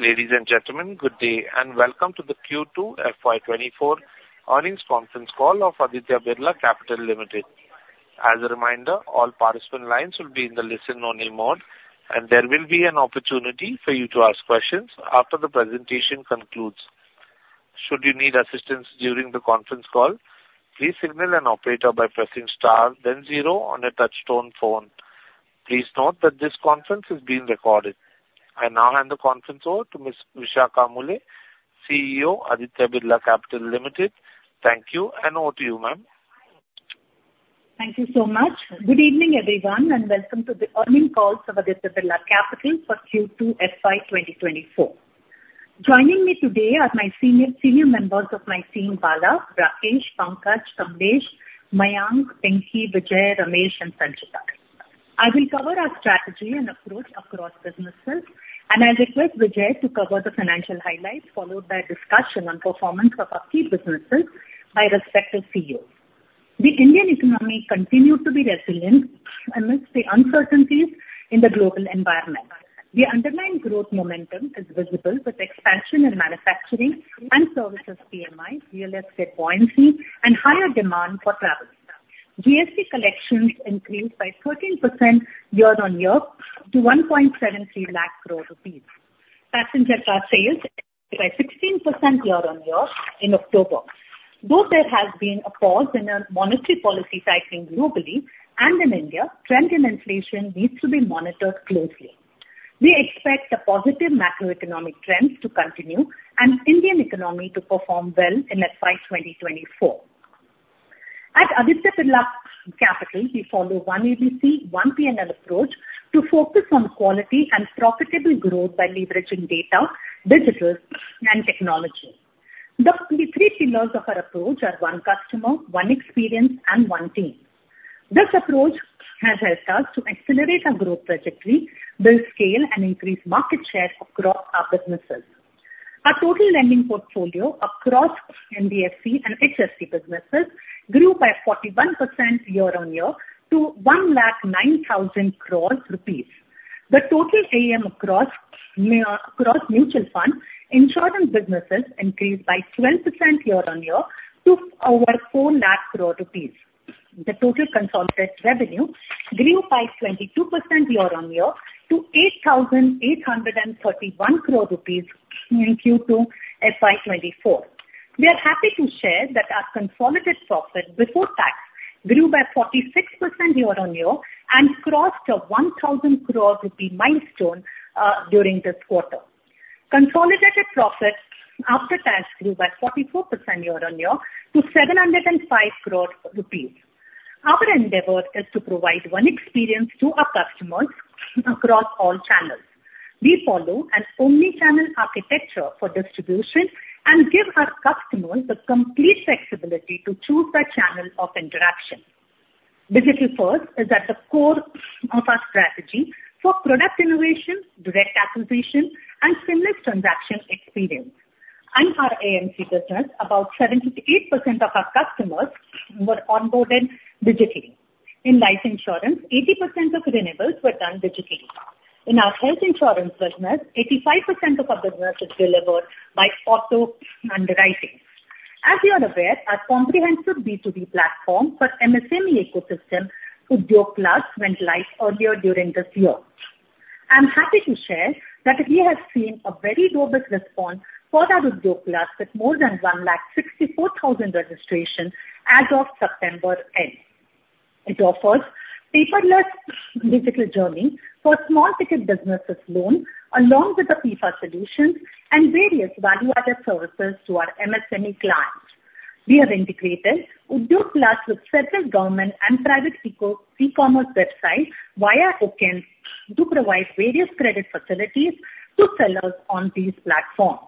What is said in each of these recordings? Ladies and gentlemen, good day, and welcome to the Q2 FY 2024 Earnings Conference Call of Aditya Birla Capital Limited. As a reminder, all participant lines will be in the listen-only mode, and there will be an opportunity for you to ask questions after the presentation concludes. Should you need assistance during the conference call, please signal an operator by pressing star then zero on a touchtone phone. Please note that this conference is being recorded. I now hand the conference over to Ms. Vishakha Mulye, CEO, Aditya Birla Capital Limited. Thank you, and over to you, ma'am. Thank you so much. Good evening, everyone, and welcome to the earnings call of Aditya Birla Capital for Q2 FY 2024. Joining me today are my senior members of my team, Bala, Rakesh, Pankaj, Kamlesh, Mayank, Pinky, Vijay, Ramesh, and Sanchita. I will cover our strategy and approach across businesses, and I request Vijay to cover the financial highlights, followed by discussion on performance of our key businesses by respective CEOs. The Indian economy continued to be resilient amidst the uncertainties in the global environment. The underlying growth momentum is visible with expansion in manufacturing and services PMI, real estate buoyancy, and higher demand for travel. GST collections increased by 13% year-on-year to 173,000 crore rupees. Passenger car sales by 16% year-on-year in October. Though there has been a pause in our monetary policy tightening globally and in India, trend in inflation needs to be monitored closely. We expect the positive macroeconomic trends to continue and Indian economy to perform well in FY 2024. At Aditya Birla Capital, we follow one ABC, one P&L approach to focus on quality and profitable growth by leveraging data, business, and technology. The three pillars of our approach are one customer, one experience, and one team. This approach has helped us to accelerate our growth trajectory, build scale, and increase market share across our businesses. Our total lending portfolio across NBFC and HFC businesses grew by 41% year-on-year to INR 109,000 crore. The total AUM across mutual fund, insurance businesses increased by 12% year-on-year to over 400,000 crore rupees. The total consolidated revenue grew by 22% year-on-year to INR 8,831 crore in Q2 FY 2024. We are happy to share that our consolidated profit before tax grew by 46% year-on-year and crossed a 1,000 crore rupee milestone during this quarter. Consolidated profit after tax grew by 44% year-on-year to 705 crore rupees. Our endeavor is to provide one experience to our customers across all channels. We follow an omni-channel architecture for distribution and give our customers the complete flexibility to choose their channel of interaction. Digital first is at the core of our strategy for product innovation, direct acquisition, and seamless transaction experience. In our AMC business, about 78% of our customers were onboarded digitally. In life insurance, 80% of renewals were done digitally. In our health insurance business, 85% of our business is delivered by auto underwriting. As you are aware, our comprehensive B2B platform for MSME ecosystem, Udyog Plus, went live earlier during this year. I'm happy to share that we have seen a very robust response for our Udyog Plus with more than 164,000 registrations as of September end. It offers paperless digital journey for small ticket businesses loan, along with the PIFA solutions and various value-added services to our MSME clients. We have integrated Udyog Plus with central government and private e-commerce websites via tokens to provide various credit facilities to sellers on these platforms.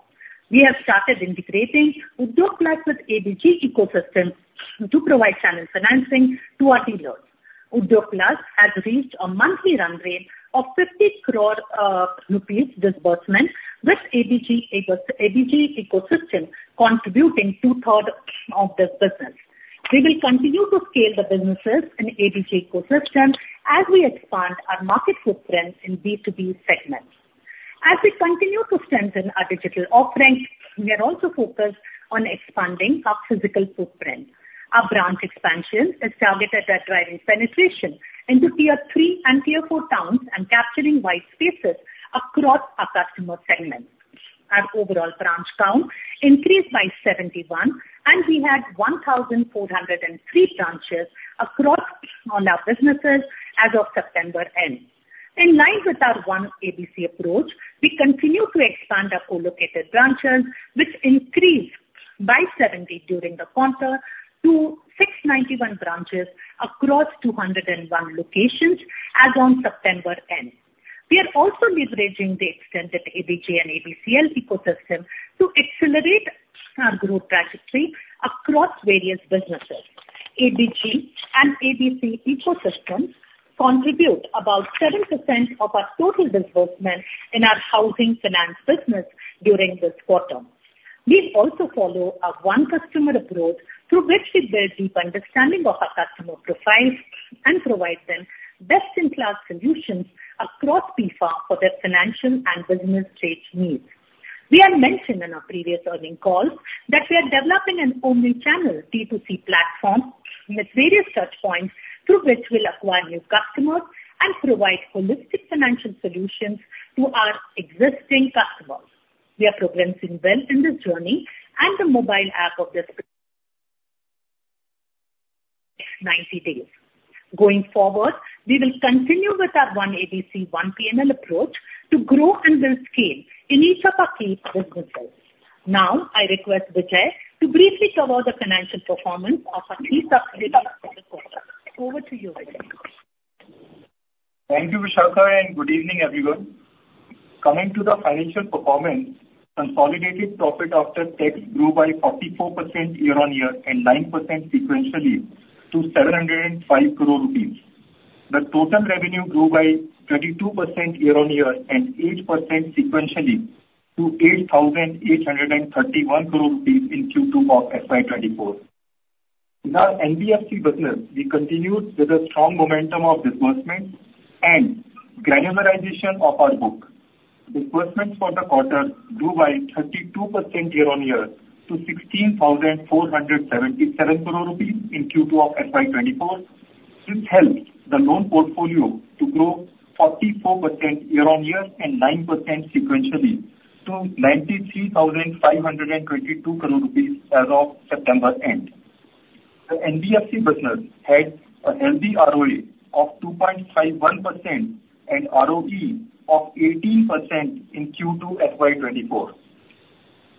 We have started integrating Udyog Plus with ABG ecosystems to provide channel financing to our dealers. Udyog Plus has reached a monthly run rate of 50 crore rupees disbursement, with ABG ecosystem contributing two-thirds of this business. We will continue to scale the businesses in ABG ecosystem as we expand our market footprint in B2B segments. As we continue to strengthen our digital offerings, we are also focused on expanding our physical footprint. Our branch expansion is targeted at driving penetration into tier three and tier four towns and capturing white spaces across our customer segments. Our overall branch count increased by 71, and we had 1,403 branches across all our businesses as of September end. In line with our one ABC approach, we continue to expand our co-located branches, which increased by 70 during the quarter to 691 branches across 201 locations as on September end. We are also leveraging the extended ABG and ABCL ecosystem to accelerate our growth trajectory across various businesses. ABG and ABC ecosystems contribute about 7% of our total disbursement in our housing finance business during this quarter. We also follow a one customer approach, through which we build deep understanding of our customer profiles and provide them best-in-class solutions across PIFA for their financial and business trade needs. We had mentioned in our previous earnings call that we are developing an omnichannel B2C platform with various touchpoints, through which we'll acquire new customers and provide holistic financial solutions to our existing customers. We are progressing well in this journey, and the mobile app launch in 90 days. Going forward, we will continue with our one ABC, one P&L approach to grow and build scale in each of our key businesses. Now, I request Vijay to briefly cover the financial performance of our three subsidiaries for the quarter. Over to you, Vijay. Thank you, Vishakha, and good evening, everyone. Coming to the financial performance, consolidated profit after tax grew by 44% year-on-year and 9% sequentially to 705 crore rupees. The total revenue grew by 22% year-on-year and 8% sequentially to 8,831 crore rupees in Q2 of FY 2024. In our NBFC business, we continued with a strong momentum of disbursement and granularization of our book. Disbursement for the quarter grew by 32% year-on-year to 16,477 crore rupees in Q2 of FY 2024, which helped the loan portfolio to grow 44% year-on-year and 9% sequentially to 93,522 crore rupees as of September end. The NBFC business had a healthy ROA of 2.51% and ROE of 18% in Q2 FY 2024.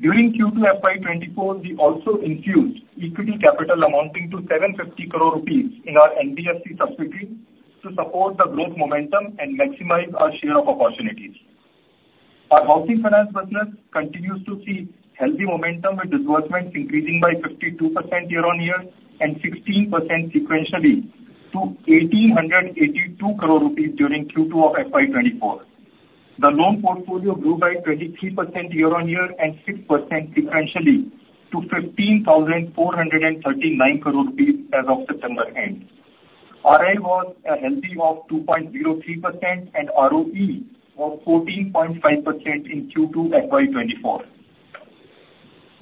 During Q2 FY 2024, we also infused equity capital amounting to 750 crore rupees in our NBFC subsidiary to support the growth momentum and maximize our share of opportunities. Our housing finance business continues to see healthy momentum, with disbursements increasing by 52% year-on-year and 16% sequentially to 1,882 crore rupees during Q2 of FY 2024. The loan portfolio grew by 23% year-on-year and 6% sequentially to 15,439 crore rupees as of September end. ROA was a healthy 2.03% and ROE was 14.5% in Q2 FY 2024.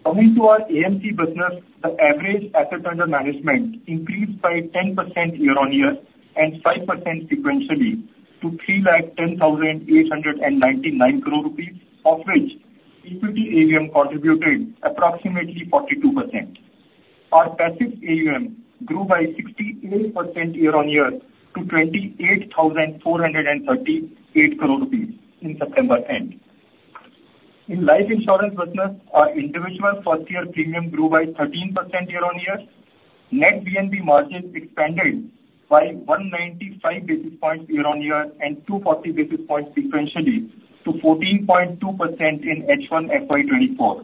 Coming to our AMC business, the average assets under management increased by 10% year-on-year and 5% sequentially to 3,10,899 crore rupees, of which equity AUM contributed approximately 42%. Our passive AUM grew by 68% year-on-year to 28,438 crore rupees in September end. In life insurance business, our individual first year premium grew by 13% year-on-year. Net VNB margins expanded by 195 basis points year-on-year and 240 basis points sequentially to 14.2% in H1 FY 2024.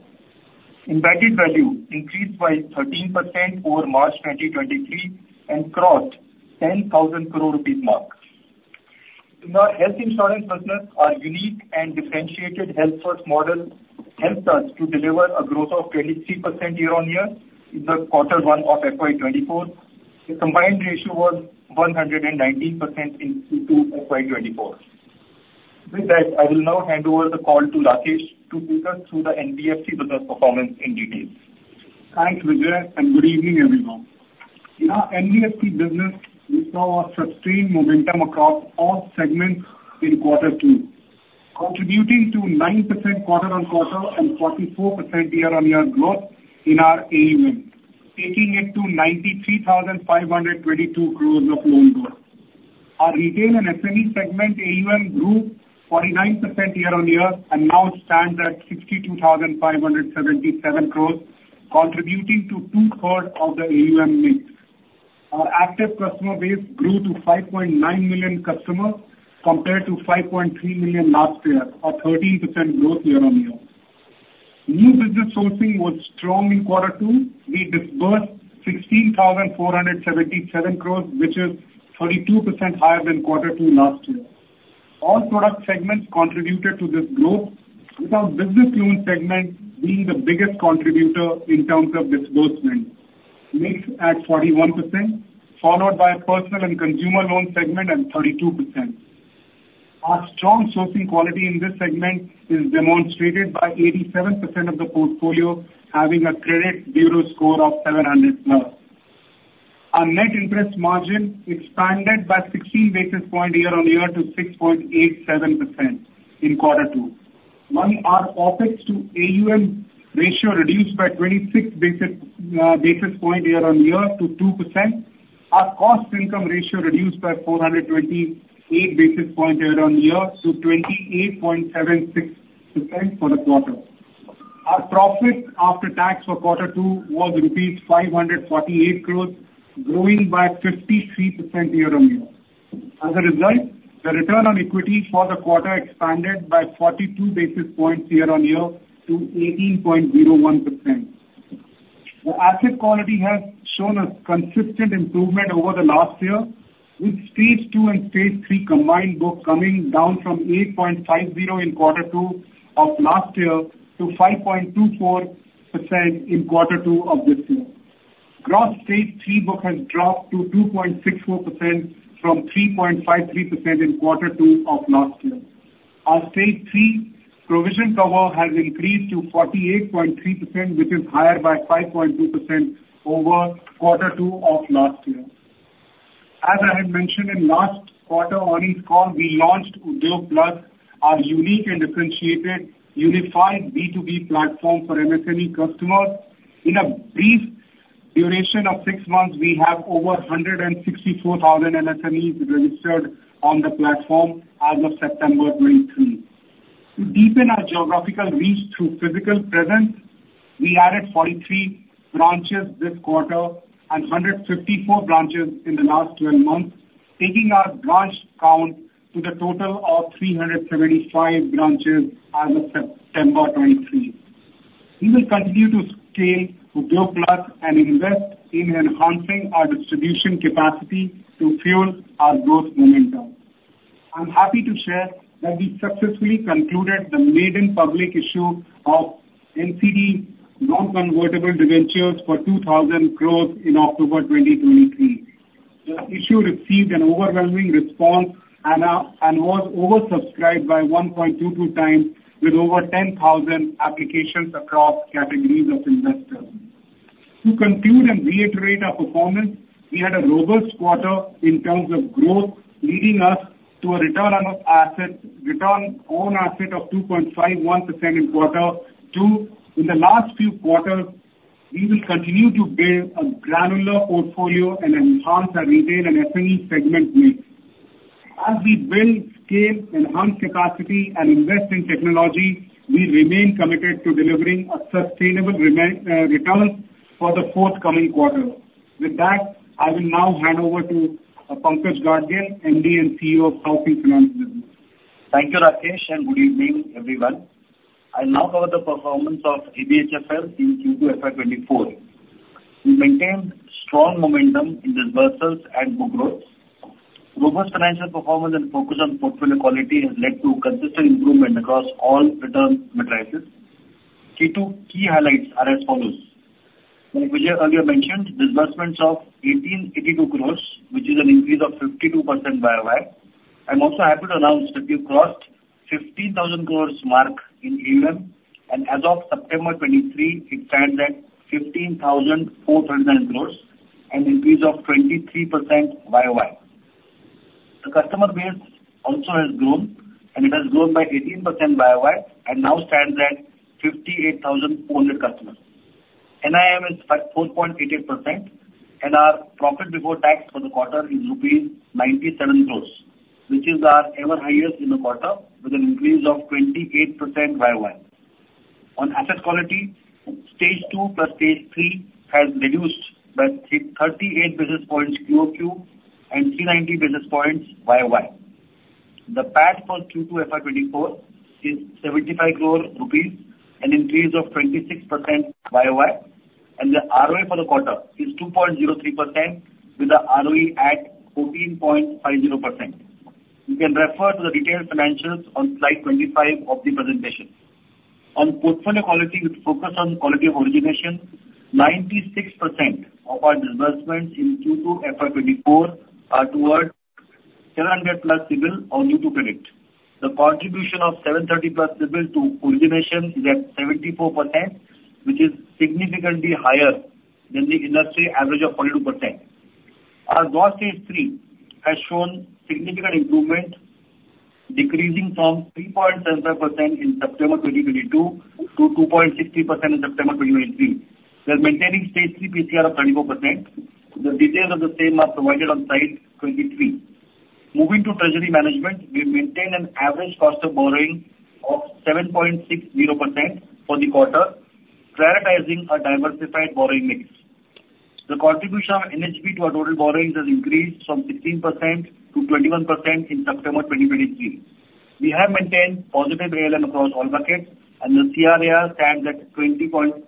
Embedded value increased by 13% over March 2023 and crossed 10,000 crore rupees mark. In our health insurance business, our unique and differentiated Health First model helps us to deliver a growth of 23% year-on-year in the quarter one of FY 2024. The combined ratio was 119% in Q2 FY 2024. With that, I will now hand over the call to Rakesh to take us through the NBFC business performance in detail. Thanks, Vijay, and good evening, everyone. In our NBFC business, we saw a sustained momentum across all segments in Q2, contributing to 9% quarter-on-quarter and 44% year-on-year growth in our AUM, taking it to 93,522 crore of loan growth. Our retail and SME segment AUM grew 49% year-on-year and now stands at 62,577 crore, contributing to two-thirds of the AUM mix. Our active customer base grew to 5.9 million customers, compared to 5.3 million last year, a 13% growth year-on-year. New business sourcing was strong in Q2. We disbursed 16,477 crore, which is 32% higher than Q2 last year. All product segments contributed to this growth, with our business loan segment being the biggest contributor in terms of disbursement, mixed at 41%, followed by personal and consumer loan segment at 32%. Our strong sourcing quality in this segment is demonstrated by 87% of the portfolio having a credit bureau score of 700+. Our net interest margin expanded by 60 basis points year-on-year to 6.87% in quarter two, while our OpEx to AUM ratio reduced by 26 basis points year-on-year to 2%. Our cost income ratio reduced by 428 basis points year-on-year to 28.76% for the quarter. Our profit after tax for Q2 was rupees 548 crore, growing by 53% year-on-year. As a result, the return on equity for the quarter expanded by 42 basis points year-on-year to 18.01%.... The asset quality has shown a consistent improvement over the last year, with stage two and stage three combined book coming down from 8.50% in Q2 of last year, to 5.24% in Q2 of this year. Gross stage three book has dropped to 2.64% from 3.53% in Q2 of last year. Our stage Three provision cover has increased to 48.3%, which is higher by 5.2% over Q2 of last year. As I had mentioned in last quarter earnings call, we launched Udyog Plus, our unique and differentiated unified B2B platform for MSME customers. In a brief duration of six months, we have over 164,000 MSMEs registered on the platform as of September 2023. To deepen our geographical reach through physical presence, we added 43 branches this quarter and 154 branches in the last 12 months, taking our branch count to the total of 375 branches as of September 2023. We will continue to scale Udyog Plus and invest in enhancing our distribution capacity to fuel our growth momentum. I'm happy to share that we successfully concluded the maiden public issue of NCD, non-convertible debentures, for 2,000 crore in October 2023. The issue received an overwhelming response and was oversubscribed by 1.22x with over 10,000 applications across categories of investors. To conclude and reiterate our performance, we had a robust quarter in terms of growth, leading us to a return on our assets, return on asset of 2.51% in Q2. In the last few quarters, we will continue to build a granular portfolio and enhance our retail and SME segment mix. As we build, scale, enhance capacity, and invest in technology, we remain committed to delivering a sustainable return for the forthcoming quarter. With that, I will now hand over to Pankaj Gadgil, MD and CEO of Housing Finance Limited. Thank you, Rakesh, and good evening, everyone. I'll now cover the performance of ABHFL in Q2 FY 2024. We maintained strong momentum in disbursements and book growth. Robust financial performance and focus on portfolio quality has led to consistent improvement across all return matrices. Q2 key highlights are as follows: Like Vijay earlier mentioned, disbursements of 1,882 crore, which is an increase of 52% year-over-year. I'm also happy to announce that we've crossed 15,000 crore mark in EWM, and as of September 2023, it stands at 15,400 crore, an increase of 23% year-over-year. The customer base also has grown, and it has grown by 18% year-over-year, and now stands at 58,400 customers. NIM is at 4.88%, and our profit before tax for the quarter is rupees 97 crore, which is our ever highest in the quarter, with an increase of 28% year-over-year. On asset quality, Stage two plus stage three has reduced by 38 basis points QOQ and 390 basis points year-over-year. The PAT for Q2 FY 2024 is 75 crore rupees, an increase of 26% year-over-year, and the ROA for the quarter is 2.03%, with the ROE at 14.50%. You can refer to the detailed financials on slide 25 of the presentation. On portfolio quality, with focus on quality of origination, 96% of our disbursements in Q2 FY 2024 are towards 700+ CIBIL or new to credit. The contribution of 730+ CIBIL to origination is at 74%, which is significantly higher than the industry average of 42%. Our Gross stage three has shown significant improvement, decreasing from 3.75% in September 2022 to 2.60% in September 2023. We are maintaining stage three PCR of 34%. The details of the same are provided on slide 23. Moving to treasury management, we maintain an average cost of borrowing of 7.60% for the quarter, prioritizing a diversified borrowing mix. The contribution of NHB to our total borrowings has increased from 16%-21% in September 2023. We have maintained positive ALM across all markets, and the CRAR stands at 20.38%.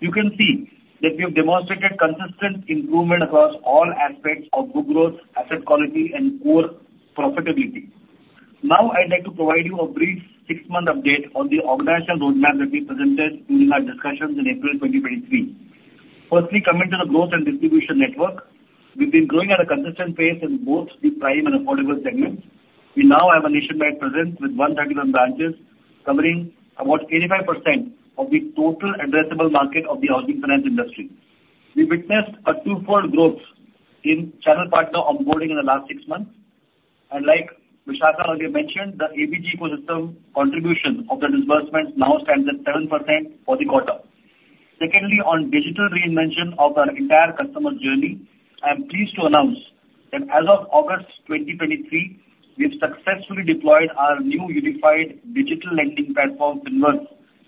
You can see that we have demonstrated consistent improvement across all aspects of book growth, asset quality, and core profitability. Now, I'd like to provide you a brief six-month update on the organizational roadmap that we presented during our discussions in April 2023. Firstly, coming to the growth and distribution network, we've been growing at a consistent pace in both the prime and affordable segments. We now have a nationwide presence with 131 branches, covering about 85% of the total addressable market of the housing finance industry. We witnessed a twofold growth in channel partner onboarding in the last six months, and like Vishakha earlier mentioned, the ABG ecosystem contribution of the disbursement now stands at 7% for the quarter. Secondly, on digital reinvention of our entire customer journey, I am pleased to announce that as of August 2023, we've successfully deployed our new unified digital lending platform, Finverse,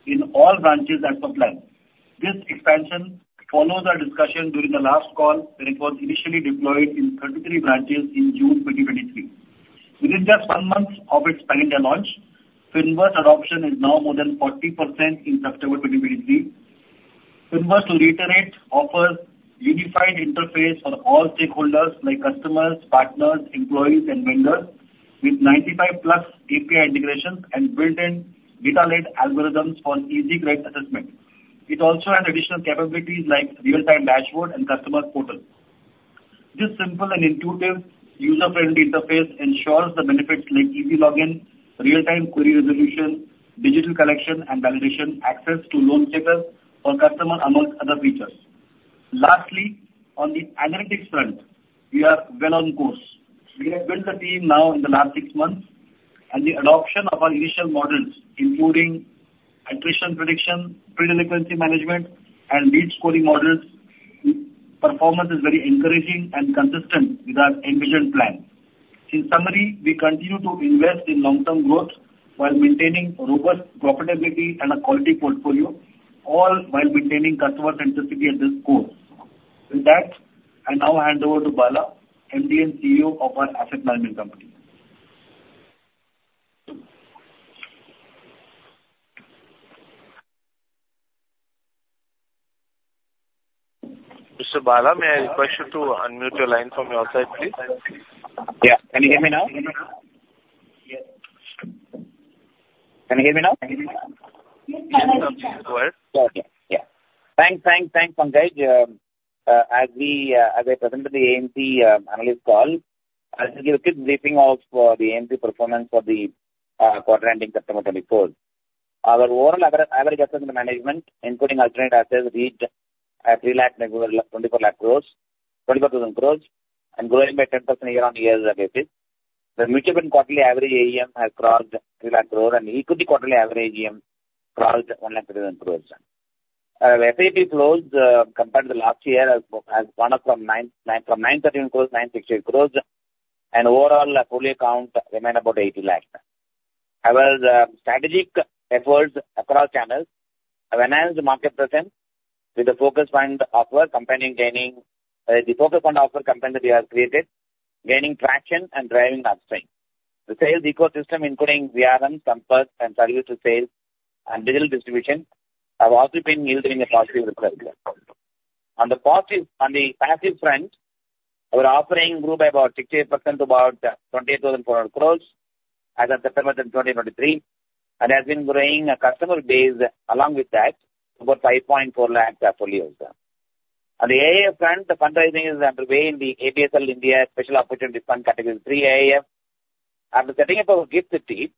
in all branches as per plan. This expansion follows our discussion during the last call, when it was initially deployed in 33 branches in June 2023. Within just one month of its India launch, Finverse adoption is now more than 40% in September 2023. Finverse, to reiterate, offers unified interface for all stakeholders, like customers, partners, employees, and vendors, with 95+ API integrations and built-in data-led algorithms for easy credit assessment. It also has additional capabilities like real-time dashboard and customer portal. This simple and intuitive user-friendly interface ensures the benefits like easy login, real-time query resolution, digital collection and validation, access to loan status for customer, amongst other features. Lastly, on the analytics front, we are well on course. We have built the team now in the last six months, and the adoption of our initial models, including attrition prediction, pre-delinquency management, and lead scoring models, performance is very encouraging and consistent with our envisioned plan. In summary, we continue to invest in long-term growth while maintaining robust profitability and a quality portfolio, all while maintaining customer centricity at this course. With that, I now hand over to Bala, MD & CEO of our asset management company. Mr. Bala, may I request you to unmute your line from your side, please? Yeah. Can you hear me now? Can you hear me now? Yes, go ahead. Okay. Yeah. Thanks, thanks, thanks, Pankaj. As we... as I presented the AMC analyst call, I'll give a quick briefing also for the AMC performance for the quarter ending September 2024. Our overall average asset under management, including alternate assets, REIT, at 3,24,000 crore, and growing by 10% year-on-year basis. The mutual fund quarterly average AUM has crossed 3,00,000 crore, and equity quarterly average AUM crossed 1,00,000 crore. Our SIP flows compared to last year has gone up from 913 crore-968 crore, and overall folio accounts remain about 80 lakh. Our strategic efforts across channels have enhanced market presence with a focus on offer company gaining the focus on offer company that we have created, gaining traction and driving upstream. The sales ecosystem, including VRM, Sampark, and Service to sales and digital distribution, have also been yielding a positive return. On the passive, on the passive front, our AUM grew by about 68% to about 28,000 crore as of September 2023, and has been growing our customer base along with that, about 5.4 lakh folios. On the AIF front, the fundraising is underway in the ABSL India Special Opportunities Fund Category three AIF. After setting up our GIFT City,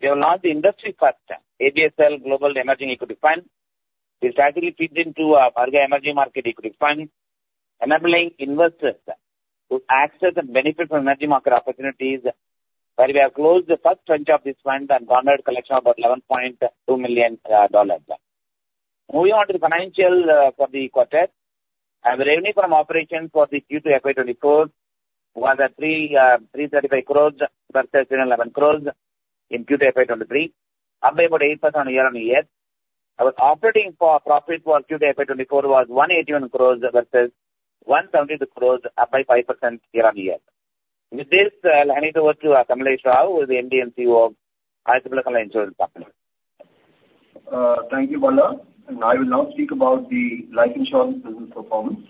we have launched the industry first ABSL Global Emerging Equity Fund. This strategy feeds into our larger emerging market equity fund, enabling investors to access and benefit from emerging market opportunities, where we have closed the first tranche of this fund and garnered collection of about $11.2 million. Moving on to the financial for the quarter. Our revenue from operations for the Q2 FY 2024 was at 335 crores versus 1,011 crores in Q2 FY 2023, up by about 8% year-on-year. Our operating profit for Q2 FY 2024 was 181 crores versus 170 crores, up by 5% year-on-year. With this, I'll hand it over to Kamlesh, who is the MD & CEO of Aditya Birla Sun Life Insurance Company Limited. Thank you, Bala. I will now speak about the life insurance business performance.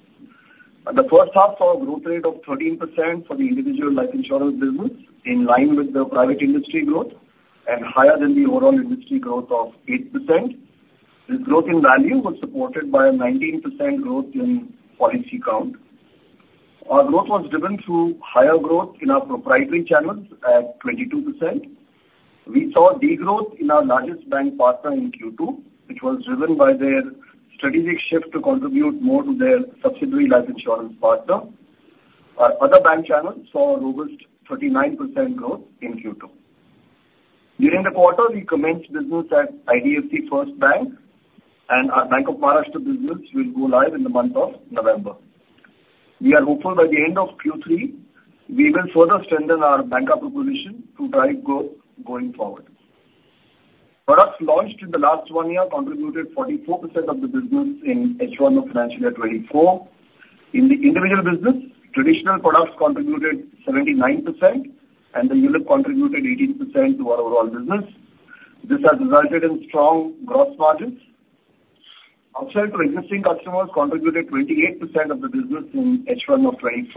The first half saw a growth rate of 13% for the individual life insurance business, in line with the private industry growth, and higher than the overall industry growth of 8%. This growth in value was supported by a 19% growth in policy count. Our growth was driven through higher growth in our proprietary channels at 22%. We saw degrowth in our largest bank partner in Q2, which was driven by their strategic shift to contribute more to their subsidiary life insurance partner. Our other bank channels saw a robust 39% growth in Q2. During the quarter, we commenced business at IDFC First Bank, and our Bank of Maharashtra business will go live in the month of November. We are hopeful by the end of Q3, we will further strengthen our bank proposition to drive growth going forward. Products launched in the last one year contributed 44% of the business in H1 of financial year 2024. In the individual business, traditional products contributed 79% and the ULIP contributed 18% to our overall business. This has resulted in strong gross margins. Upsell to existing customers contributed 28% of the business in H1 of 2024.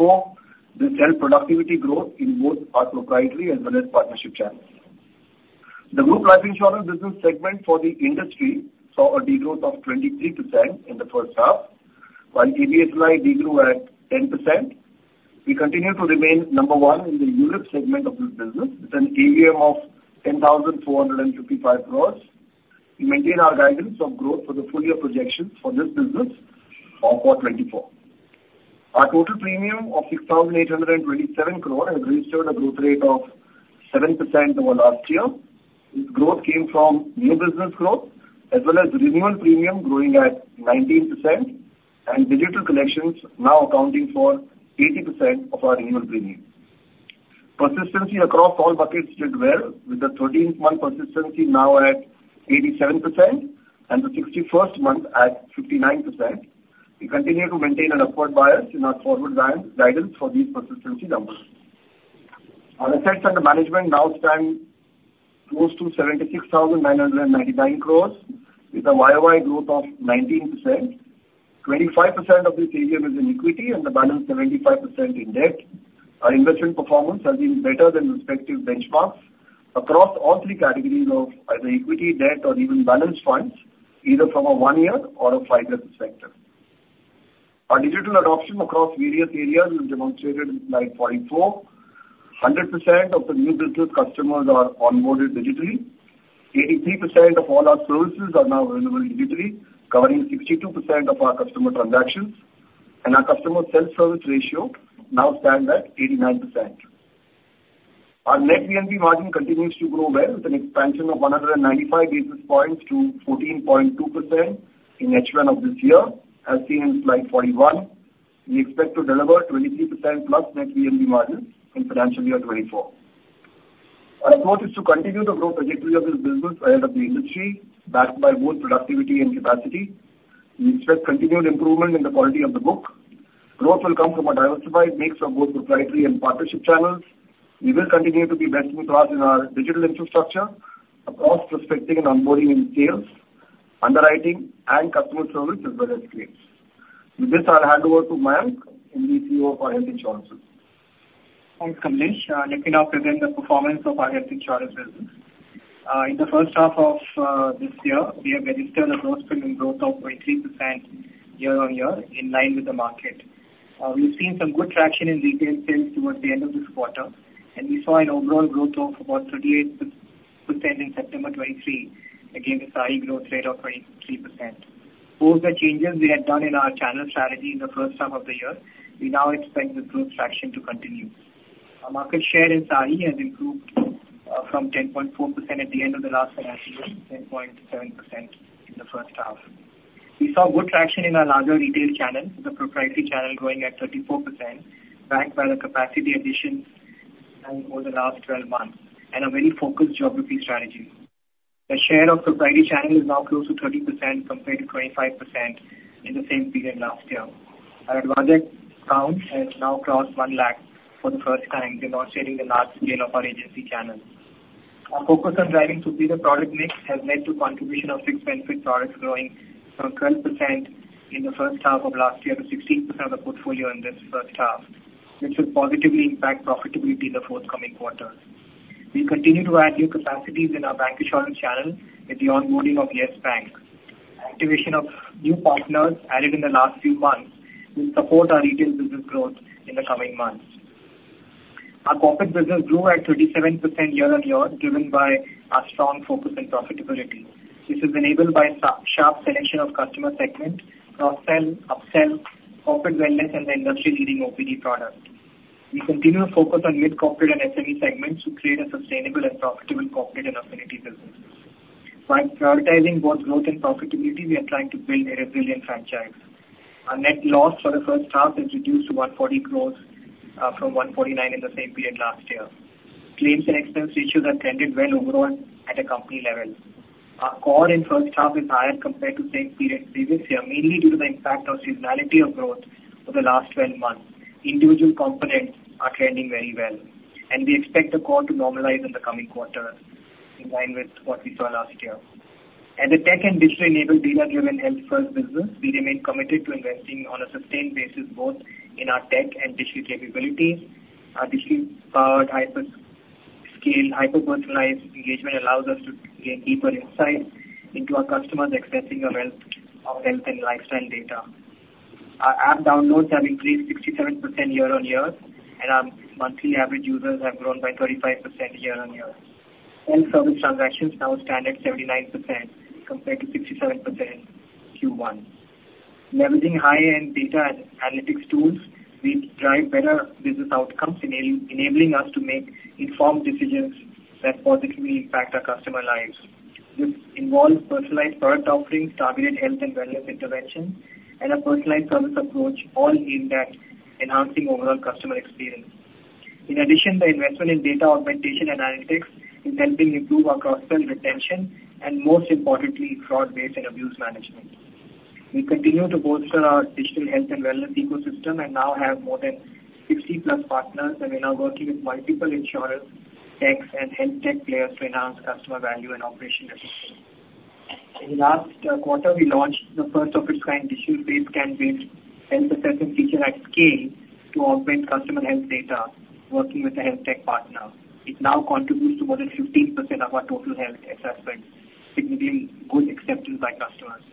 This helped productivity growth in both our proprietary as well as partnership channels. The group life insurance business segment for the industry saw a degrowth of 23% in the first half, while ABSL degrew at 10%. We continue to remain number one in the ULIP segment of this business, with an AUM of 10,455 crore. We maintain our guidance of growth for the full year projections for this business of 24. Our total premium of 6,827 crore has registered a growth rate of 7% over last year. This growth came from new business growth as well as renewal premium growing at 19%, and digital collections now accounting for 80% of our annual premium. Persistence across all buckets did well, with the 13th month persistence now at 87% and the 61st month at 59%.... We continue to maintain an upward bias in our forward guide, guidance for these persistency numbers. Our assets under management now stand close to 76,999 crore, with a YOY growth of 19%. 25% of this AUM is in equity and the balance 75% in debt. Our investment performance has been better than respective benchmarks across all three categories of either equity, debt, or even balance funds, either from a one-year or a five-year perspective. Our digital adoption across various areas is demonstrated in slide 44. 100% of the new business customers are onboarded digitally. 83% of all our services are now available digitally, covering 62% of our customer transactions, and our customer self-service ratio now stands at 89%. Our net VNB margin continues to grow well, with an expansion of 195 basis points to 14.2% in H1 of this year, as seen in slide 41. We expect to deliver 23%+ net VNB margin in financial year 2024. Our approach is to continue the growth trajectory of this business ahead of the industry, backed by both productivity and capacity. We expect continued improvement in the quality of the book. Growth will come from a diversified mix of both proprietary and partnership channels. We will continue to be investing across in our digital infrastructure, across prospecting and onboarding in sales, underwriting, and customer service, as well as claims. With this, I'll hand over to Mayank, MD & CEO of our health insurance. Thanks, Kamlesh. Let me now present the performance of our health insurance business. In the first half of this year, we have registered a gross premium growth of 23% year-on-year, in line with the market. We've seen some good traction in retail sales towards the end of this quarter, and we saw an overall growth of about 38% in September 2023, against a SAHI growth rate of 23%. Post the changes we had done in our channel strategy in the first half of the year, we now expect this growth traction to continue. Our market share in SAHI has improved from 10.4% at the end of the last financial year to 10.7% in the first half. We saw good traction in our larger retail channel, with the proprietary channel growing at 34%, backed by the capacity additions over the last 12 months, and a very focused geography strategy. The share of proprietary channel is now close to 30% compared to 25% in the same period last year. Our advisor count has now crossed 100,000 for the first time, demonstrating the large scale of our agency channel. Our focus on driving superior product mix has led to contribution of fixed benefit products growing from 12% in the first half of last year to 16% of the portfolio in this first half, which will positively impact profitability in the forthcoming quarters. We continue to add new capacities in our bank insurance channel with the onboarding of YES BANK. Activation of new partners added in the last few months will support our retail business growth in the coming months. Our corporate business grew at 37% year-on-year, driven by a strong focus on profitability. This is enabled by sharp selection of customer segment, cross-sell, upsell, corporate wellness, and the industry-leading OPD product. We continue to focus on mid-corporate and SME segments to create a sustainable and profitable corporate and affinity business. By prioritizing both growth and profitability, we are trying to build a resilient franchise. Our net loss for the first half is reduced to 140 crore from 149 crore in the same period last year. Claims and expense ratios have trended well overall at a company level. Our core in first half is higher compared to same period previous year, mainly due to the impact of seasonality of growth over the last 12 months. Individual components are trending very well, and we expect the core to normalize in the coming quarter, in line with what we saw last year. As a tech and digitally enabled, data-driven, health-first business, we remain committed to investing on a sustained basis, both in our tech and digital capabilities. Our digitally powered hyper-scale, hyper-personalized engagement allows us to gain deeper insight into our customers' accessing of health, of health and lifestyle data. Our app downloads have increased 67% year-on-year, and our monthly average users have grown by 35% year-on-year. Health service transactions now stand at 79% compared to 67% Q1. Leveraging high-end data analytics tools, we drive better business outcomes, enabling us to make informed decisions that positively impact our customer lives. This involves personalized product offerings, targeted health and wellness intervention, and a personalized service approach, all aimed at enhancing overall customer experience. In addition, the investment in data augmentation and analytics is helping improve our cross-sell retention, and most importantly, fraud waste and abuse management. We continue to bolster our digital health and wellness ecosystem, and now have more than 60+ partners, and we are now working with multiple insurers, techs, and health tech players to enhance customer value and operational efficiency. In the last quarter, we launched the first of its kind digital-based, claim-based health assessment feature at scale to augment customer health data, working with a health tech partner. It now contributes to more than 15% of our total health assessments, significant good acceptance by customers.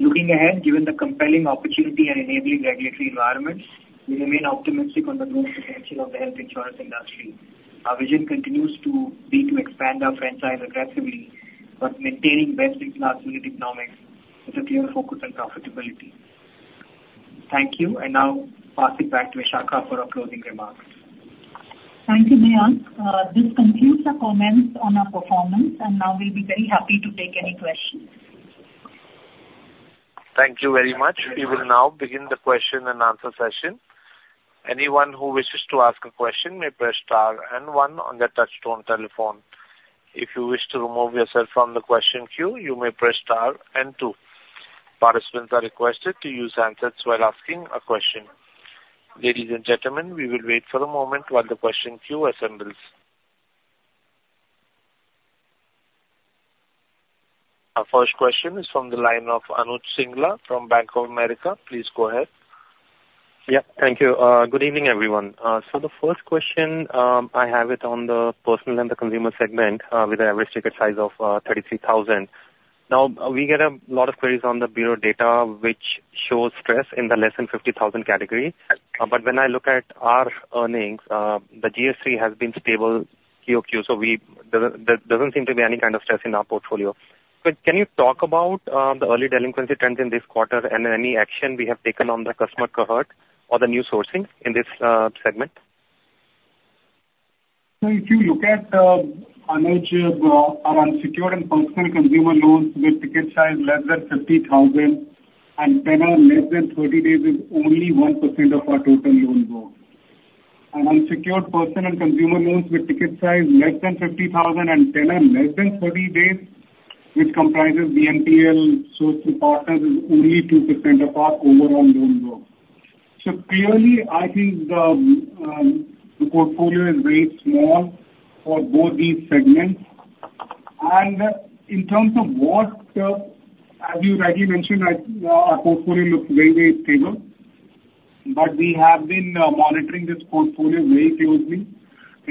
Looking ahead, given the compelling opportunity and enabling regulatory environments, we remain optimistic on the growth potential of the health insurance industry. Our vision continues to be to expand our franchise aggressively, but maintaining best-in-class unit economics with a clear focus on profitability. Thank you, and now pass it back to Vishakha for our closing remarks. Thank you, Mayank. This concludes the comments on our performance, and now we'll be very happy to take any questions. Thank you very much. We will now begin the question and answer session. Anyone who wishes to ask a question may press star and one on their touch-tone telephone. If you wish to remove yourself from the question queue, you may press star and two. Participants are requested to use handsets while asking a question. Ladies and gentlemen, we will wait for a moment while the question queue assembles. Our first question is from the line of Anuj Singla from Bank of America. Please go ahead. Yeah, thank you. Good evening, everyone. So the first question I have it on the personal and the consumer segment with an average ticket size of 33,000. Now, we get a lot of queries on the bureau data, which shows stress in the less than 50,000 category. But when I look at our earnings, the GS3 has been stable QOQ, so there doesn't seem to be any kind of stress in our portfolio. So can you talk about the early delinquency trends in this quarter and any action we have taken on the customer cohort or the new sourcing in this segment? So if you look at, Anuj, our unsecured and personal consumer loans with ticket size less than 50,000, and tenor less than 30 days is only 1% of our total loan growth. Our unsecured personal and consumer loans with ticket size less than 50,000 and tenor less than 30 days, which comprises the BNPL source partners, is only 2% of our overall loan growth. So clearly, I think, the portfolio is very small for both these segments. And in terms of what, as you rightly mentioned, that our portfolio looks very, very stable, but we have been monitoring this portfolio very closely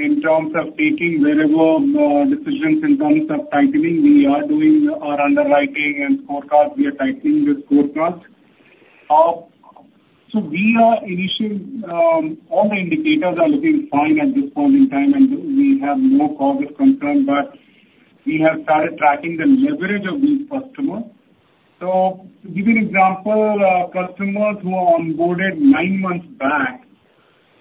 in terms of taking wherever decisions in terms of tightening. We are doing our underwriting and scorecards. We are tightening the scorecards. So we are issuing, all the indicators are looking fine at this point in time, and we have no cause of concern, but we have started tracking the leverage of these customers. So to give you an example, customers who are onboarded nine months back,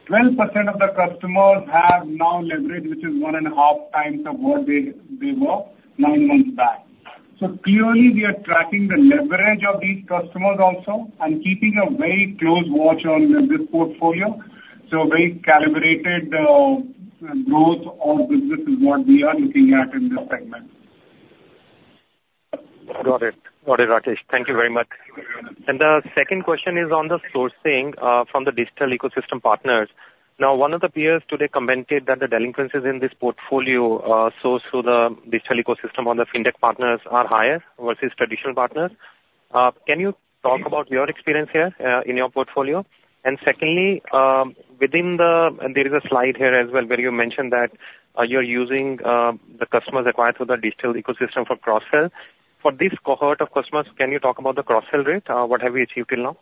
12% of the customers have now leveraged, which is one and a half times of what they, they were nine months back. So clearly, we are tracking the leverage of these customers also and keeping a very close watch on this portfolio. So very calibrated, growth of business is what we are looking at in this segment. Got it. Got it, Rakesh. Thank you very much. And the second question is on the sourcing from the digital ecosystem partners. Now, one of the peers today commented that the delinquencies in this portfolio sourced through the digital ecosystem on the Fintech partners are higher versus traditional partners. Can you talk about your experience here in your portfolio? And secondly, within the... There is a slide here as well, where you mentioned that you're using the customers acquired through the digital ecosystem for cross-sell. For this cohort of customers, can you talk about the cross-sell rate? What have we achieved till now?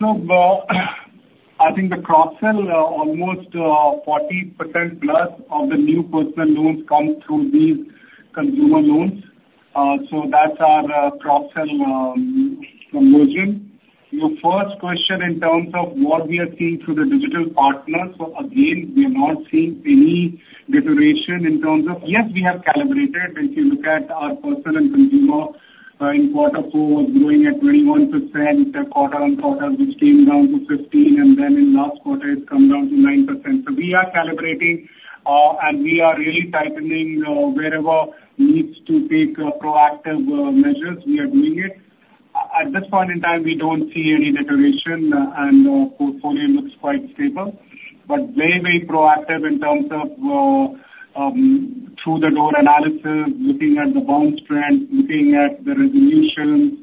No, I think the cross-sell, almost 40% plus of the new personal loans come through these consumer loans. So that's our cross-sell conversion. Your first question in terms of what we are seeing through the digital partners, so again, we are not seeing any deterioration in terms of... Yes, we have calibrated. If you look at our personal and consumer in Q4, growing at 21% quarter-on-quarter, which came down to 15, and then in last quarter, it's come down to 9%. So we are calibrating, and we are really tightening, wherever needs to take proactive measures, we are doing it. At this point in time, we don't see any deterioration, and our portfolio looks quite stable, but very, very proactive in terms of, through the door analysis, looking at the bounce trends, looking at the resolution.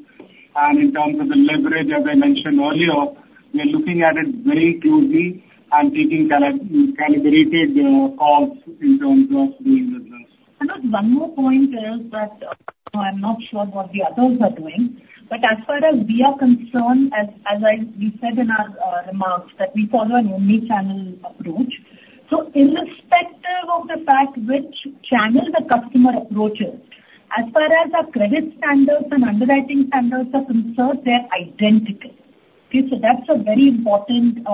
In terms of the leverage, as I mentioned earlier, we are looking at it very closely and taking calibrated course in terms of doing business. And one more point is that, I'm not sure what the others are doing, but as far as we are concerned, we said in our remarks that we follow an omnichannel approach. So irrespective of the fact which channel the customer approaches, as far as our credit standards and underwriting standards are concerned, they're identical. Okay? So that's a very important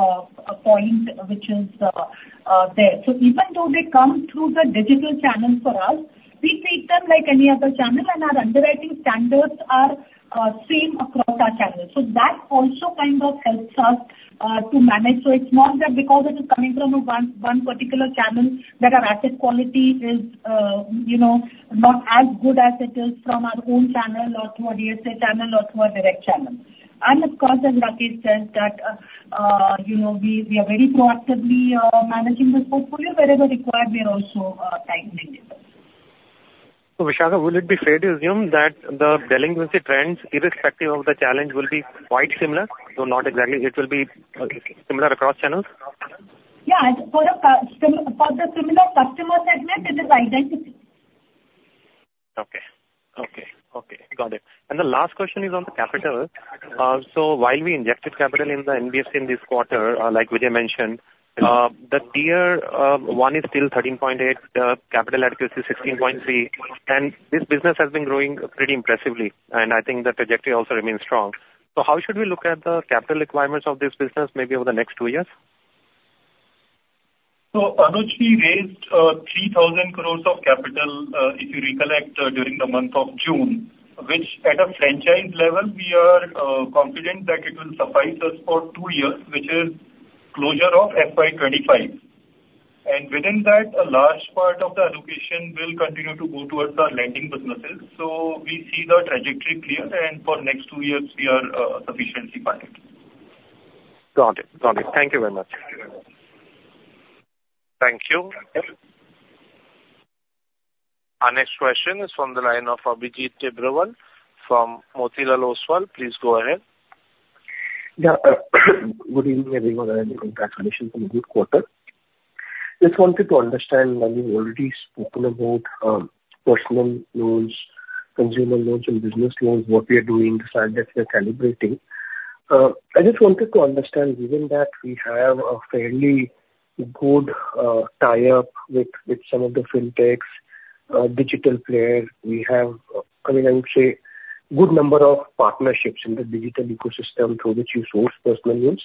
point which is there. So even though they come through the digital channel for us, we treat them like any other channel, and our underwriting standards are same across our channels. So that also kind of helps us to manage. So it's not that because it is coming from a one particular channel, that our asset quality is, you know, not as good as it is from our own channel or through a DSA channel or through our direct channel. And of course, as Rakesh says that, you know, we are very proactively managing this portfolio. Wherever required, we are also tightening this. Vishakha, would it be fair to assume that the delinquency trends, irrespective of the challenge, will be quite similar, though not exactly? It will be similar across channels? Yeah, for the customer, for the similar customer segment, it is identical. Okay. Okay, okay, got it. And the last question is on the capital. So while we injected capital in the NBFC in this quarter, like Vijay mentioned, the Tier 1 is still 13.8, capital adequacy 16.3, and this business has been growing pretty impressively, and I think the trajectory also remains strong. So how should we look at the capital requirements of this business, maybe over the next two years?... So, Anuj, we raised 3,000 crore of capital, if you recollect, during the month of June, which, at a franchise level, we are confident that it will suffice us for two years, which is closure of FY 2025. And within that, a large part of the allocation will continue to go towards our lending businesses. So we see the trajectory clear, and for next two years, we are sufficiently funded. Got it. Got it. Thank you very much. Thank you. Our next question is from the line of Abhijit Tibrewal from Motilal Oswal. Please go ahead. Yeah. Good evening, everyone, and congratulations on a good quarter. Just wanted to understand, and you've already spoken about personal loans, consumer loans, and business loans, what we are doing, and that we are calibrating. I just wanted to understand, given that we have a fairly good tie-up with, with some of the fintechs, digital players, we have, I mean, I would say, good number of partnerships in the digital ecosystem through which you source personal loans.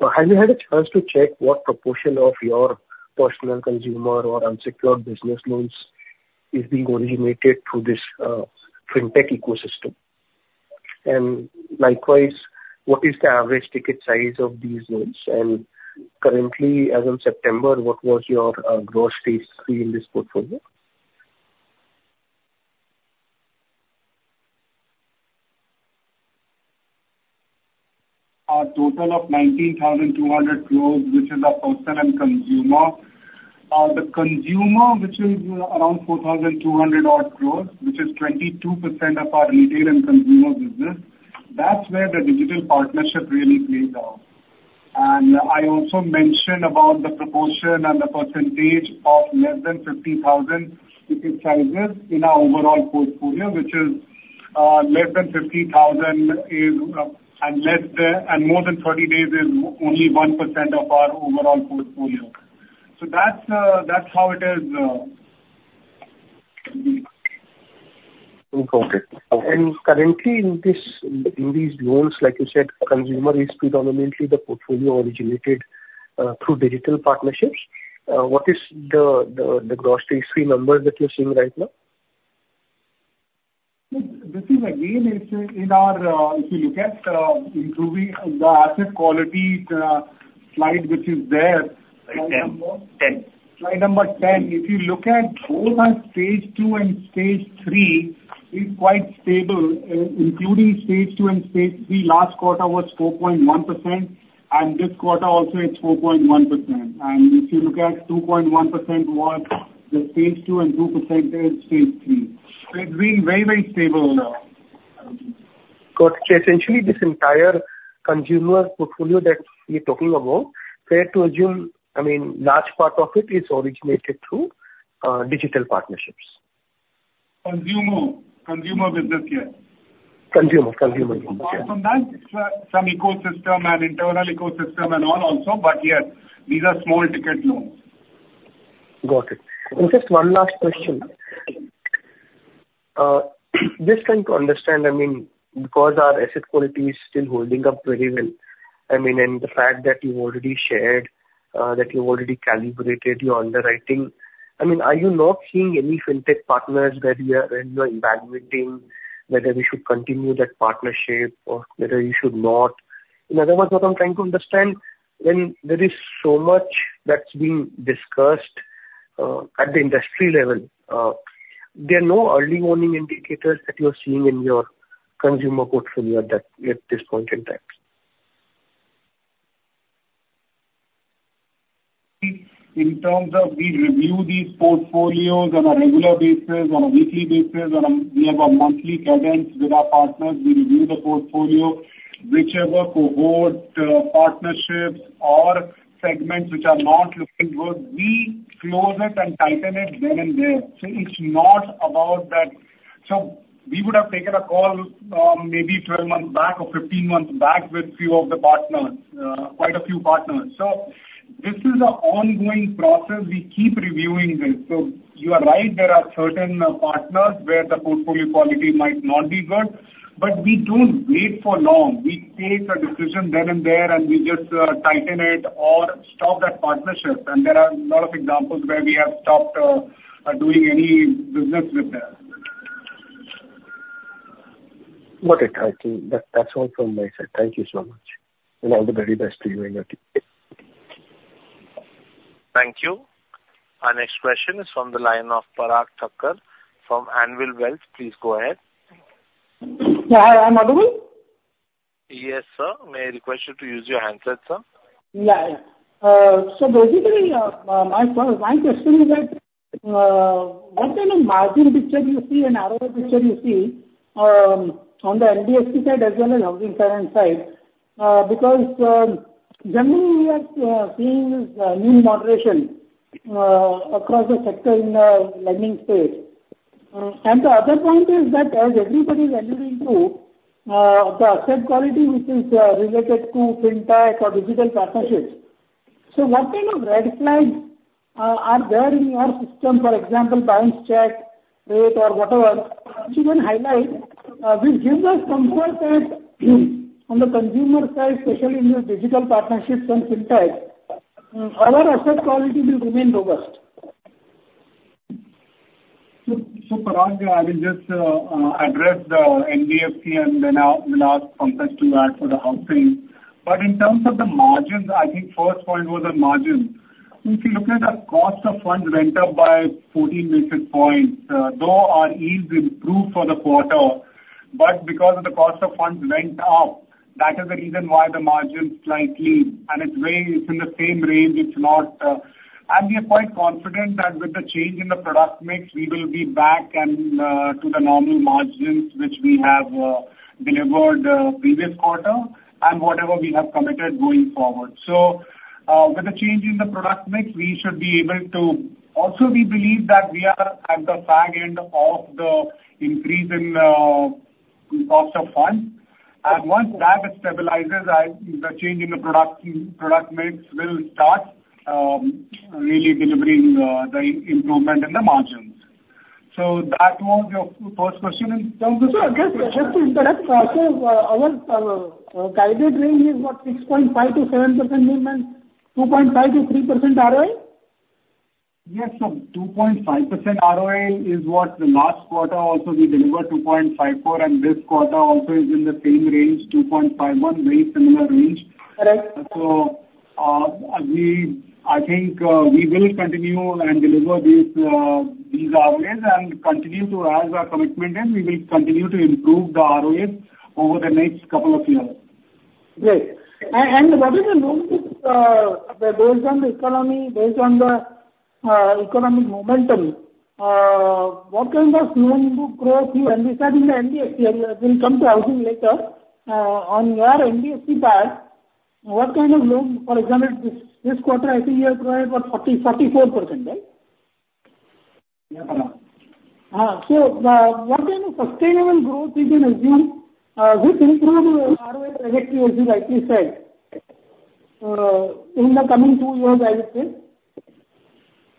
Have you had a chance to check what proportion of your personal consumer or unsecured business loans is being originated through this fintech ecosystem? And likewise, what is the average ticket size of these loans? And currently, as of September, what was your Gross Stage Three in this portfolio? A total of 19,200 crore, which is our personal consumer. The consumer, which is around 4,200 crore odd, which is 22% of our retail and consumer business. That's where the digital partnership really plays out. And I also mentioned about the proportion and the percentage of less than 50,000 ticket sizes in our overall portfolio, which is less than 50,000 is and more than 30 days is only 1% of our overall portfolio. So that's that's how it is... Got it. And currently, in this, in these loans, like you said, consumer is predominantly the portfolio originated through digital partnerships. What is the Gross Stage Three number that you're seeing right now? This is again. It's in our, if you look at, improving the asset quality slide, which is there. Ten. Ten. Slide number 10. If you look at both our stage two and stage three, is quite stable, including stage two and stage three, last quarter was 4.1%, and this quarter also, it is 4.1%. And if you look at 2.1% was the stage two and 2% is stage three. So it has been very, very stable now. Got it. Essentially, this entire consumer portfolio that you're talking about, fair to assume, I mean, large part of it is originated through digital partnerships? Consumer. Consumer business, yes. Consumer, consumer. Apart from that, some ecosystem and internal ecosystem and all also, but yes, these are small ticket loans. Got it. Just one last question. Just trying to understand, I mean, because our asset quality is still holding up very well, I mean, and the fact that you already shared, that you already calibrated your underwriting. I mean, are you not seeing any fintech partners where you are evaluating whether you should continue that partnership or whether you should not? In other words, what I'm trying to understand, when there is so much that's being discussed, at the industry level, there are no early warning indicators that you're seeing in your consumer portfolio at this point in time? In terms of we review these portfolios on a regular basis, on a weekly basis. We have a monthly cadence with our partners. We review the portfolio, whichever cohort, partnerships or segments which are not looking good, we close it and tighten it then and there. So it's not about that. So we would have taken a call, maybe 12 months back or 15 months back with few of the partners, quite a few partners. So this is an ongoing process. We keep reviewing this. So you are right, there are certain, partners where the portfolio quality might not be good, but we don't wait for long. We take a decision then and there, and we just, tighten it or stop that partnership. And there are a lot of examples where we have stopped, doing any business with them. Got it. I think that, that's all from my side. Thank you so much, and all the very best to you and your team. Thank you. Our next question is from the line of Parag Thakkar from ANVIL WEALTH. Please go ahead. Hi, am I audible? Yes, sir. May I request you to use your handset, sir? Yeah. So basically, my question is that, what kind of margin picture do you see and ROE picture do you see, on the NBFC side as well as housing finance side? Because, generally, we are seeing this new moderation across the sector in the lending space. And the other point is that as everybody is alluding to, the asset quality, which is related to fintech or digital partnerships. So what kind of red flags are there in your system, for example, balance check, rate or whatever, which you can highlight, which gives us comfort that on the consumer side, especially in your digital partnerships and FinTech, our asset quality will remain robust. So, so Parag, I will just, address the NBFC and then I'll, and I'll come back to that for the housing. But in terms of the margins, I think first point was the margins. If you look at our cost of funds went up by 14 basis points, though our yields improved for the quarter, but because of the cost of funds went up, that is the reason why the margins slightly, and it's very, it's in the same range, it's not... And we are quite confident that with the change in the product mix, we will be back and, to the normal margins, which we have, delivered, previous quarter and whatever we have committed going forward. So, with the change in the product mix, we should be able to. Also, we believe that we are at the back end of the increase in cost of funds. And once that stabilizes, the change in the product mix will start really delivering the improvement in the margins. So that was your first question in terms of- Sir, just, just to interrupt, so our guided range is what? 6.5%-7% and then 2.5%-3% ROI? Yes, so 2.5% ROI is what the last quarter also we delivered 2.54%, and this quarter also is in the same range, 2.51%, very similar range. Right. I think we will continue and deliver these ROIs and continue to, as our commitment is, improve the ROAs over the next couple of years. Great. And what is the loan book, based on the economy, based on the economic momentum, what kind of loan book growth you anticipate in the NBFC? We'll come to housing later. On your NBFC part, what kind of loan, for example, this quarter, I think you have grown about 44%, right? Yeah. So, what kind of sustainable growth we can assume, which will improve ROI effectively, as you rightly said, in the coming two years, as I said?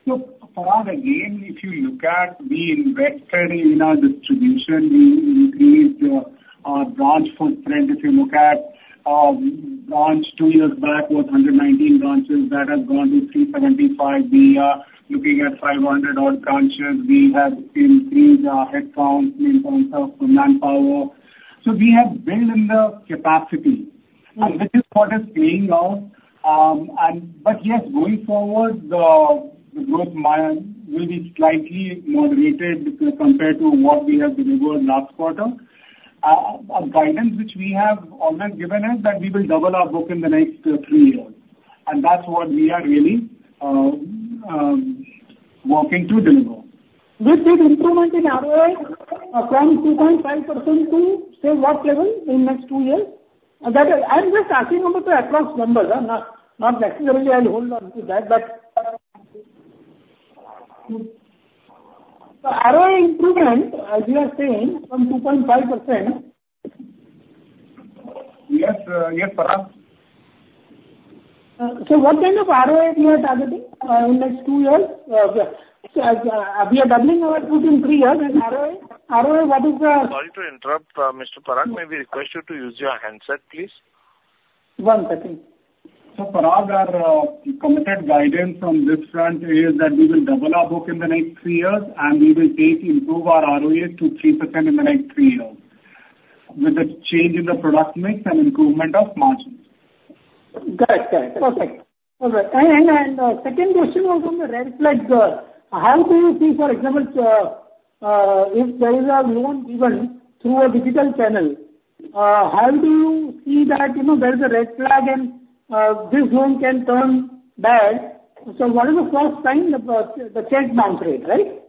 So Parag, again, if you look at we invested in our distribution, we increased our branch footprint. If you look at branches two years back was 119 branches, that has grown to 375. We are looking at 500 odd branches. We have increased our headcount in terms of manpower. So we have built in the capacity- Mm. This is what is paying off. But yes, going forward, the growth mile will be slightly moderated compared to what we have delivered last quarter. Our guidance, which we have always given, is that we will double our book in the next three years, and that's what we are really working to deliver. With this improvement in ROI, from 2.5% to, say, what level in the next two years? That is, I'm just asking about the approximate numbers, not, not necessarily I'll hold on to that, but... So ROI improvement, as you are saying, from 2.5%- Yes, yes, Parag. So what kind of ROI you are targeting in the next two years? We are doubling our book in three years, and ROI, ROI, what is the- Sorry to interrupt, Mr. Parag, may we request you to use your handset, please? One second. So Parag, our committed guidance from this front is that we will double our book in the next three years, and we will improve our ROA to 3% in the next three years, with the change in the product mix and improvement of margins. Got it. Got it. Perfect. All right. And, and, and, second question was on the red flags. How do you see, for example, if there is a loan given through a digital channel, how do you see that, you know, there is a red flag and, this loan can turn bad? So what is the first sign? The, the check bounce rate, right?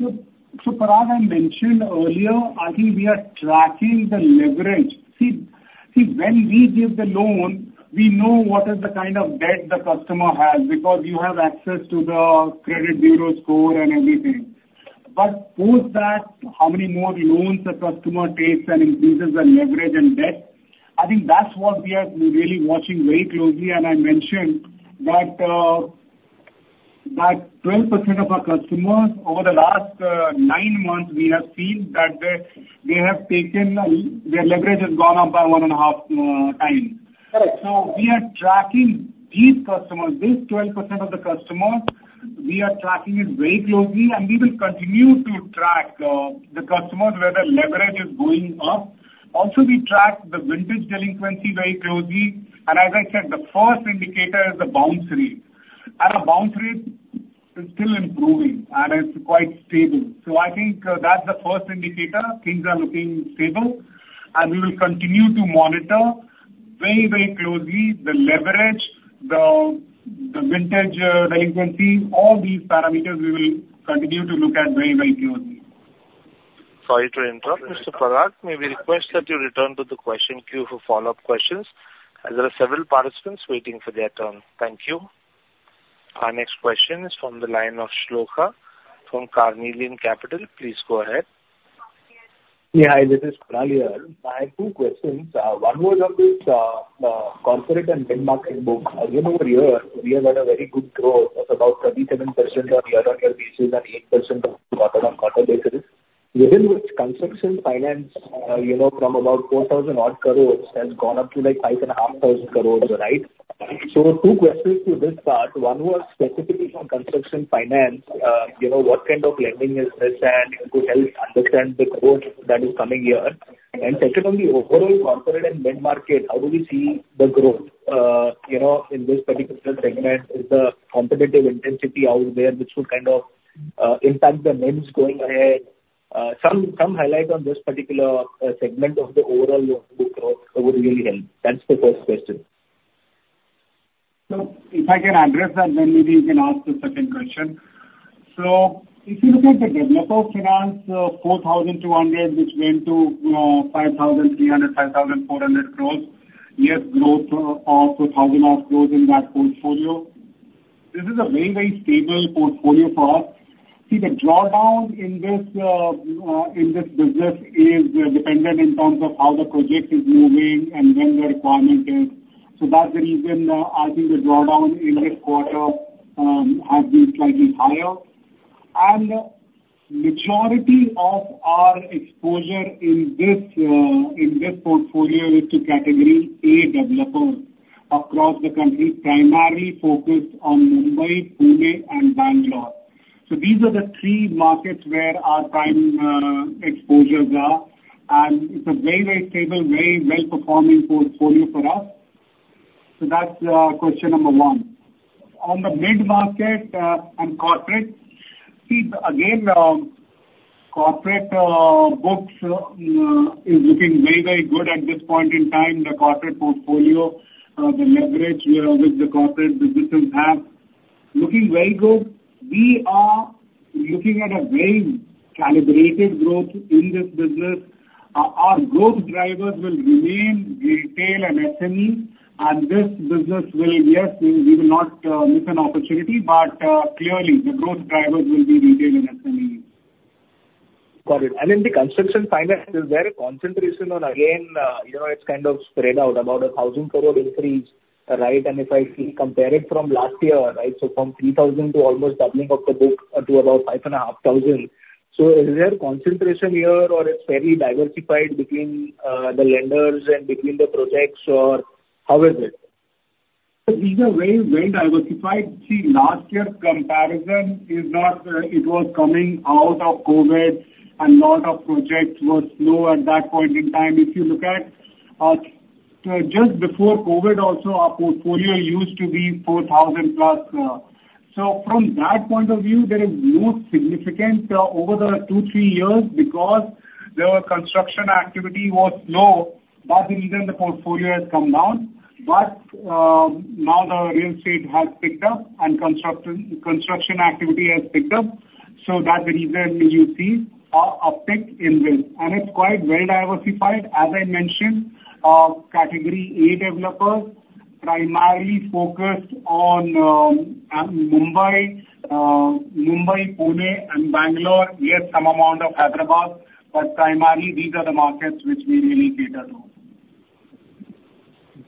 Parag, I mentioned earlier, I think we are tracking the leverage. See, when we give the loan, we know what is the kind of debt the customer has, because you have access to the credit bureau score and everything. But post that, how many more loans the customer takes and increases the leverage and debt, I think that's what we are really watching very closely. And I mentioned that 12% of our customers over the last nine months, we have seen that they have taken their leverage has gone up by 1.5x. Correct. So we are tracking these customers. These 12% of the customers, we are tracking it very closely, and we will continue to track the customers where the leverage is going up. Also, we track the vintage delinquency very closely, and as I said, the first indicator is the bounce rate. And our bounce rate is still improving, and it's quite stable. So I think that's the first indicator. Things are looking stable, and we will continue to monitor very, very closely the leverage, the vintage delinquencies. All these parameters, we will continue to look at very, very closely. Sorry to interrupt, Mr. Parag. May we request that you return to the question queue for follow-up questions, as there are several participants waiting for their turn. Thank you. Our next question is from the line of Shloka from Carnelian Capital. Please go ahead.... Yeah, hi, this is [Carnelian] here. I have two questions. One was on this corporate and mid-market book. Again, over here, we have had a very good growth of about 37% on year-on-year basis and 8% on quarter-on-quarter basis. Within which construction finance, you know, from about 4,000-odd crore has gone up to, like, 5,500 crore, right? So two questions to this part. One was specifically on construction finance. You know, what kind of lending is this? And if you could help understand the growth that is coming here. And secondly, overall corporate and mid-market, how do we see the growth, you know, in this particular segment? Is the competitive intensity out there which would kind of impact the NIMs going ahead? Some highlight on this particular segment of the overall book growth would really help. That's the first question. So if I can address that, then maybe you can ask the second question. So if you look at the developer finance, 4,200 crore, which went to 5,300-5,400 crore, yes, growth of 1,000-odd crore in that portfolio. This is a very, very stable portfolio for us. See, the drawdown in this business is dependent in terms of how the project is moving and when the requirement is. So that's the reason, I think the drawdown in this quarter has been slightly higher. And majority of our exposure in this portfolio is to Category A developers across the country, primarily focused on Mumbai, Pune, and Bangalore. So these are the three markets where our prime exposures are, and it's a very, very stable, very well-performing portfolio for us. So that's question number one. On the mid-market and corporate, see, again, corporate books is looking very, very good at this point in time. The corporate portfolio, the leverage which the corporate businesses have, looking very good. We are looking at a very calibrated growth in this business. Our, our growth drivers will remain retail and SME, and this business will... Yes, we, we will not miss an opportunity, but clearly, the growth drivers will be retail and SMEs. Got it. And in the construction finance, is there a concentration on, again, you know, it's kind of spread out about an 1,000 crore increase, right? And if I see, compare it from last year, right, so from 3,000 crore to almost doubling of the book to about 5,500 crore. So is there concentration here, or it's fairly diversified between the lenders and between the projects, or how is it? So these are very, very diversified. See, last year's comparison is that, it was coming out of COVID, and lot of projects were slow at that point in time. If you look at, just before COVID also, our portfolio used to be 4,000+. So from that point of view, there is no significance, over the two to three years because the construction activity was low. That's the reason the portfolio has come down. But, now the real estate has picked up and construction activity has picked up, so that's the reason you see a pick in this. And it's quite well diversified. As I mentioned, Category A developers primarily focused on, Mumbai, Pune, and Bangalore. Yes, some amount of Hyderabad, but primarily these are the markets which we really cater to.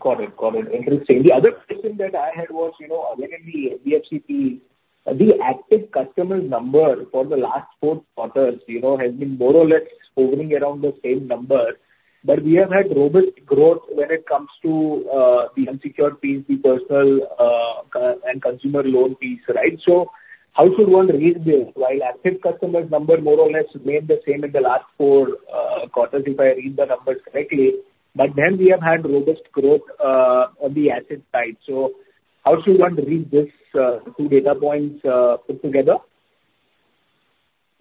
Got it. Got it. Interesting. The other question that I had was, you know, again, in the NBFC, the active customer number for the last four quarters, you know, has been more or less hovering around the same number. But we have had robust growth when it comes to, the unsecured piece, the personal, and consumer loan piece, right? So how should one read this, while active customers number more or less remain the same in the last four, quarters, if I read the numbers correctly, but then we have had robust growth, on the asset side. So how should one read this, two data points, put together?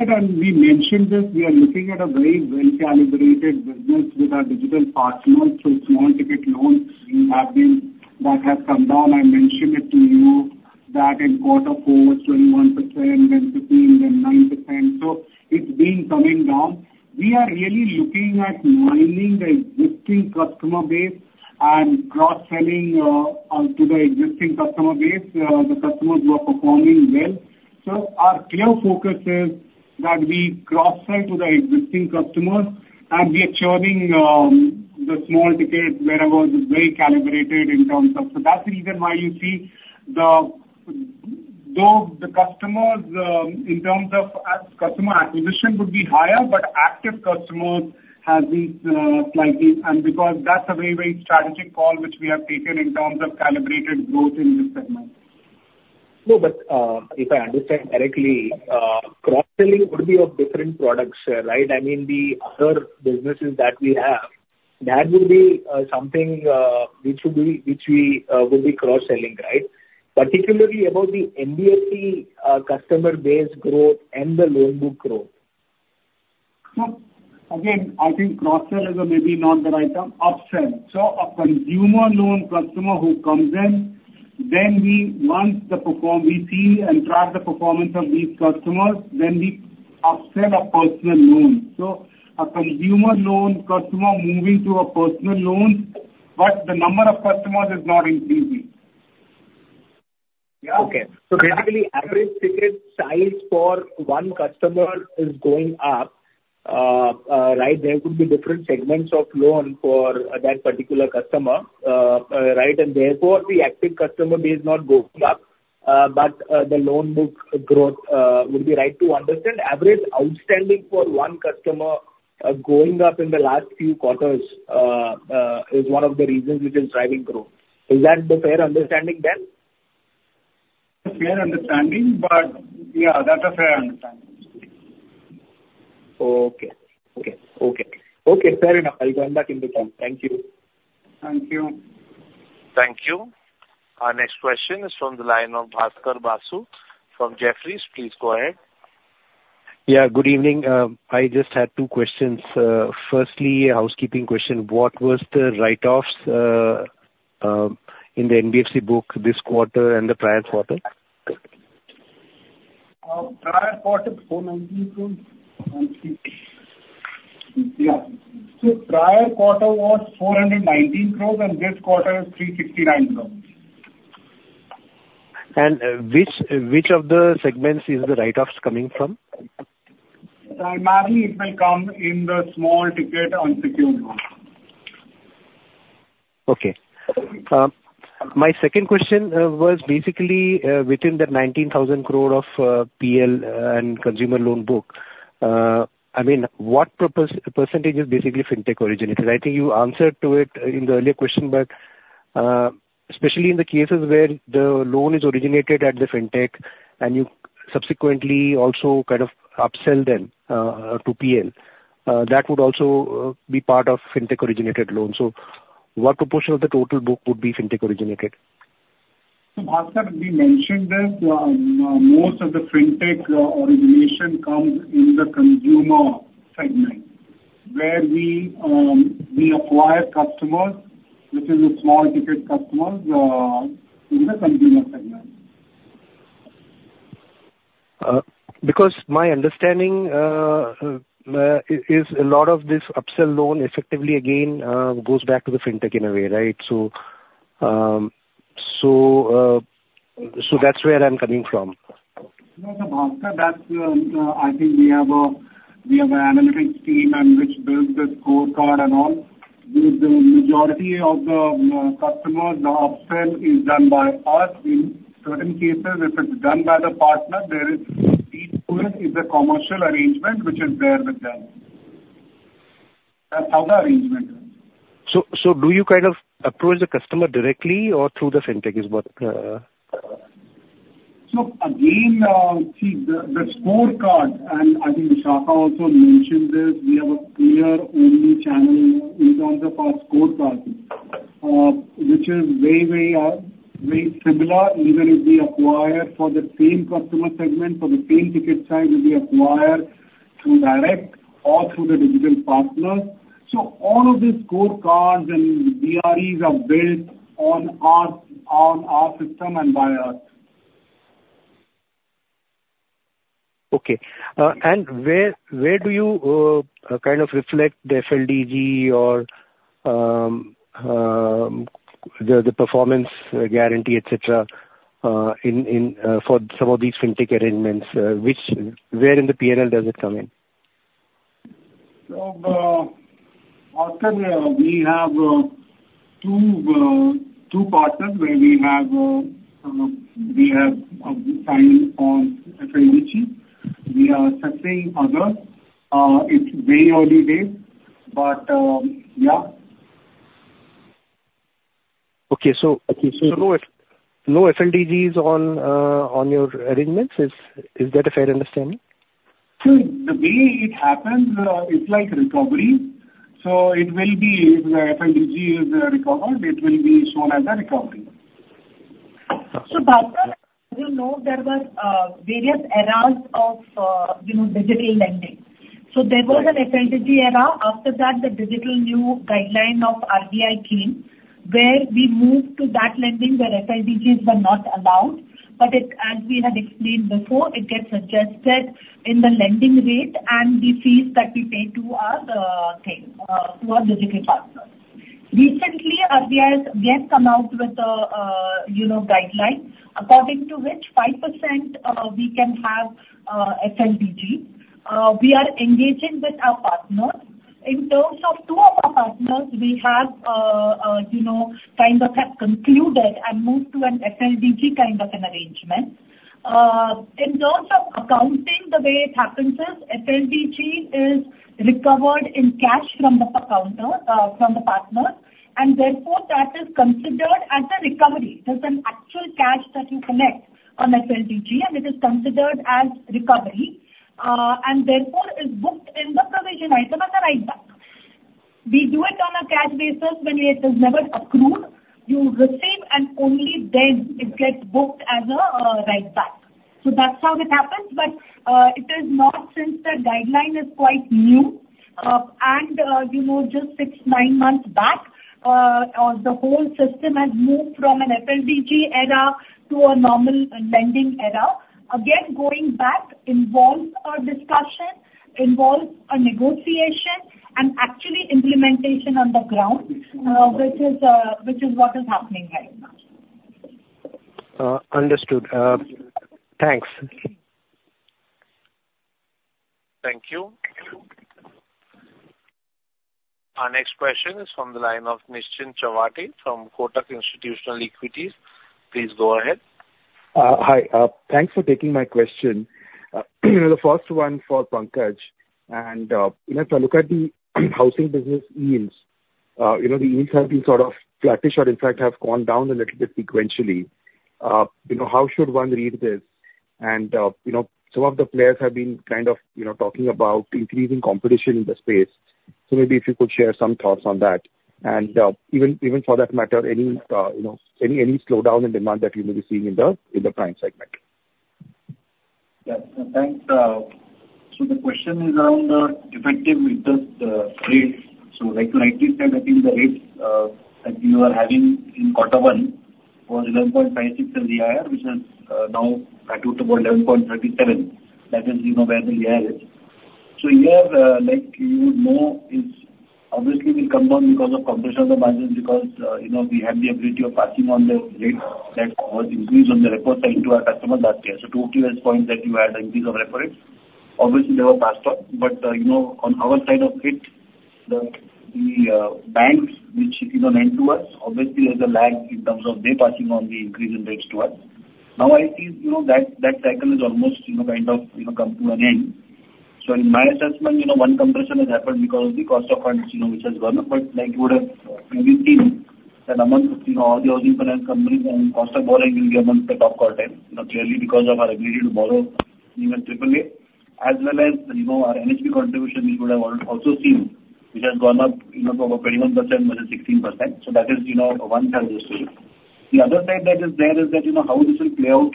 And we mentioned this, we are looking at a very well-calibrated business with our digital personal. So small ticket loans we have been, that have come down. I mentioned it to you that it got up over 21%, then 15%, then 9%, so it's been coming down. We are really looking at mining the existing customer base and cross-selling to the existing customer base, the customers who are performing well. So our clear focus is that we cross-sell to the existing customers and we are churning the small tickets wherever is very calibrated in terms of... So that's the reason why you see, though, the customers in terms of customer acquisition would be higher, but active customers has been slightly, and because that's a very, very strategic call which we have taken in terms of calibrated growth in this segment. No, but, if I understand correctly, cross-selling would be of different products, right? I mean, the other businesses that we have, that will be, something, which will be- which we, will be cross-selling, right? Particularly about the NBFC, customer base growth and the loan book growth. So again, I think cross-sell is maybe not the right term, up-sell. So a consumer loan customer who comes in, then we... Once we see and track the performance of these customers, then we up-sell a personal loan. So a consumer loan customer moving to a personal loan, but the number of customers is not increasing. ...Okay. So basically, average ticket size for one customer is going up, right? There could be different segments of loan for that particular customer, right, and therefore, the active customer base is not going up, but, the loan book growth, would be right to understand average outstanding for one customer, going up in the last few quarters, is one of the reasons which is driving growth. Is that the fair understanding then? A fair understanding, but yeah, that's a fair understanding. Okay. Okay, okay. Okay, fair enough. I'll come back in the time. Thank you. Thank you. Thank you. Our next question is from the line of Bhaskar Basu from Jefferies. Please go ahead. Yeah, good evening. I just had two questions. Firstly, a housekeeping question: What was the write-offs in the NBFC book this quarter and the prior quarter? Prior quarter, INR 490 crore. So prior quarter was 490 crore, and this quarter is 369 crore. Which of the segments is the write-offs coming from? Primarily, it will come in the small ticket on secured loans. Okay. My second question was basically within the 19,000 crore of PL and consumer loan book, I mean, what percentage is basically fintech origin? Because I think you answered to it in the earlier question, but especially in the cases where the loan is originated at the fintech and you subsequently also kind of upsell them to PL, that would also be part of fintech-originated loans. So what proportion of the total book would be fintech originated? Bhaskar, we mentioned this. Most of the fintech origination comes in the consumer segment, where we acquire customers, which is small-ticket customers in the consumer segment. Because my understanding is a lot of this upsell loan effectively goes back to the fintech in a way, right? So that's where I'm coming from. No, no, Bhaskar, that's... I think we have an analytics team and which builds this scorecard and all. The majority of the customers, the upsell is done by us. In certain cases, if it's done by the partner, there is a commercial arrangement which is there with them. That's how the arrangement is. So, do you kind of approach the customer directly or through the fintech is what? So again, see the scorecard, and I think Vishakha also mentioned this, we have a clear only channel with all the past scorecards, which is very, very, very similar, even if we acquire for the same customer segment, for the same ticket size, we acquire through direct or through the digital partner. So all of these scorecards and BREs are built on our system and by us. Okay. And where, where do you kind of reflect the FLDG or, the, the performance guarantee, et cetera, in, in, for some of these fintech arrangements, which... Where in the P&L does it come in? So, Bhaskar, we have two partners where we have signed on FLDG. We are assessing others. It's very early days, but yeah. Okay. So no FLDG's on your arrangements. Is that a fair understanding? The way it happens, it's like recovery. It will be, if the FLDG is recovered, it will be shown as a recovery. So, Bhaskar, you know, there were various eras of, you know, digital lending. So there was an FLDG era. After that, the digital new guideline of RBI came, where we moved to that lending where FLDG's were not allowed. But it, as we had explained before, it gets adjusted in the lending rate and the fees that we pay to our, to our digital partner. Recently, RBI has just come out with a, you know, guideline, according to which 5%, we can have, FLDG. We are engaging with our partners. In terms of two of our partners, we have, you know, kind of have concluded and moved to an FLDG kind of an arrangement. In terms of accounting, the way it happens is, FLDG is recovered in cash from the counter, from the partner, and therefore, that is considered as a recovery. There's an actual cash that you collect on FLDG, and it is considered as recovery, and therefore, is booked in the provision item on the write back. We do it on a cash basis, when it is never accrued, you receive, and only then it gets booked as a, write back. So that's how it happens, but, it is not since the guideline is quite new. And, you know, just six/nine months back, the whole system has moved from an FLDG era to a normal lending era. Again, going back involves a discussion, involves a negotiation, and actually... Implementation on the ground, which is what is happening right now. Understood. Thanks. Thank you. Our next question is from the line of Nishchint Chawathe from Kotak Institutional Equities. Please go ahead. Hi. Thanks for taking my question. The first one for Pankaj, and, you know, if I look at the housing business yields, you know, the yields have been sort of flattish or in fact have gone down a little bit sequentially. You know, how should one read this? And, you know, some of the players have been kind of, you know, talking about increasing competition in the space. So maybe if you could share some thoughts on that. And, even, even for that matter, any, you know, any, any slowdown in demand that you may be seeing in the, in the prime segment. Yeah. Thanks, so the question is around effective interest rates. So like you rightly said, I think the rates that we were having in quarter one was 11.56% in the IR, which has now plateaued to about 11.3%.. That is, you know, where the IR is. So here, like you would know, it's obviously we've come down because of compression of the margins, because, you know, we had the ability of passing on the rates that was increased on the repo side to our customers last year. So two key points that you had, the increase of repo rates. Obviously, they were passed on. But, you know, on our side of it, the banks, which, you know, lend to us, obviously there's a lag in terms of they passing on the increase in rates to us. Now, I think, you know, that cycle is almost, you know, kind of, you know, come to an end. So in my assessment, you know, one compression has happened because of the cost of funds, you know, which has gone up. But like you would have previously, that amongst, you know, all the housing finance companies and cost of borrowing, we among the top quartile, you know, clearly because of our ability to borrow even AAA. As well as, you know, our NHB contribution, you would have also seen, which has gone up, you know, from about 21%-16%. So that is, you know, one side of the story. The other side that is there is that, you know, how this will play out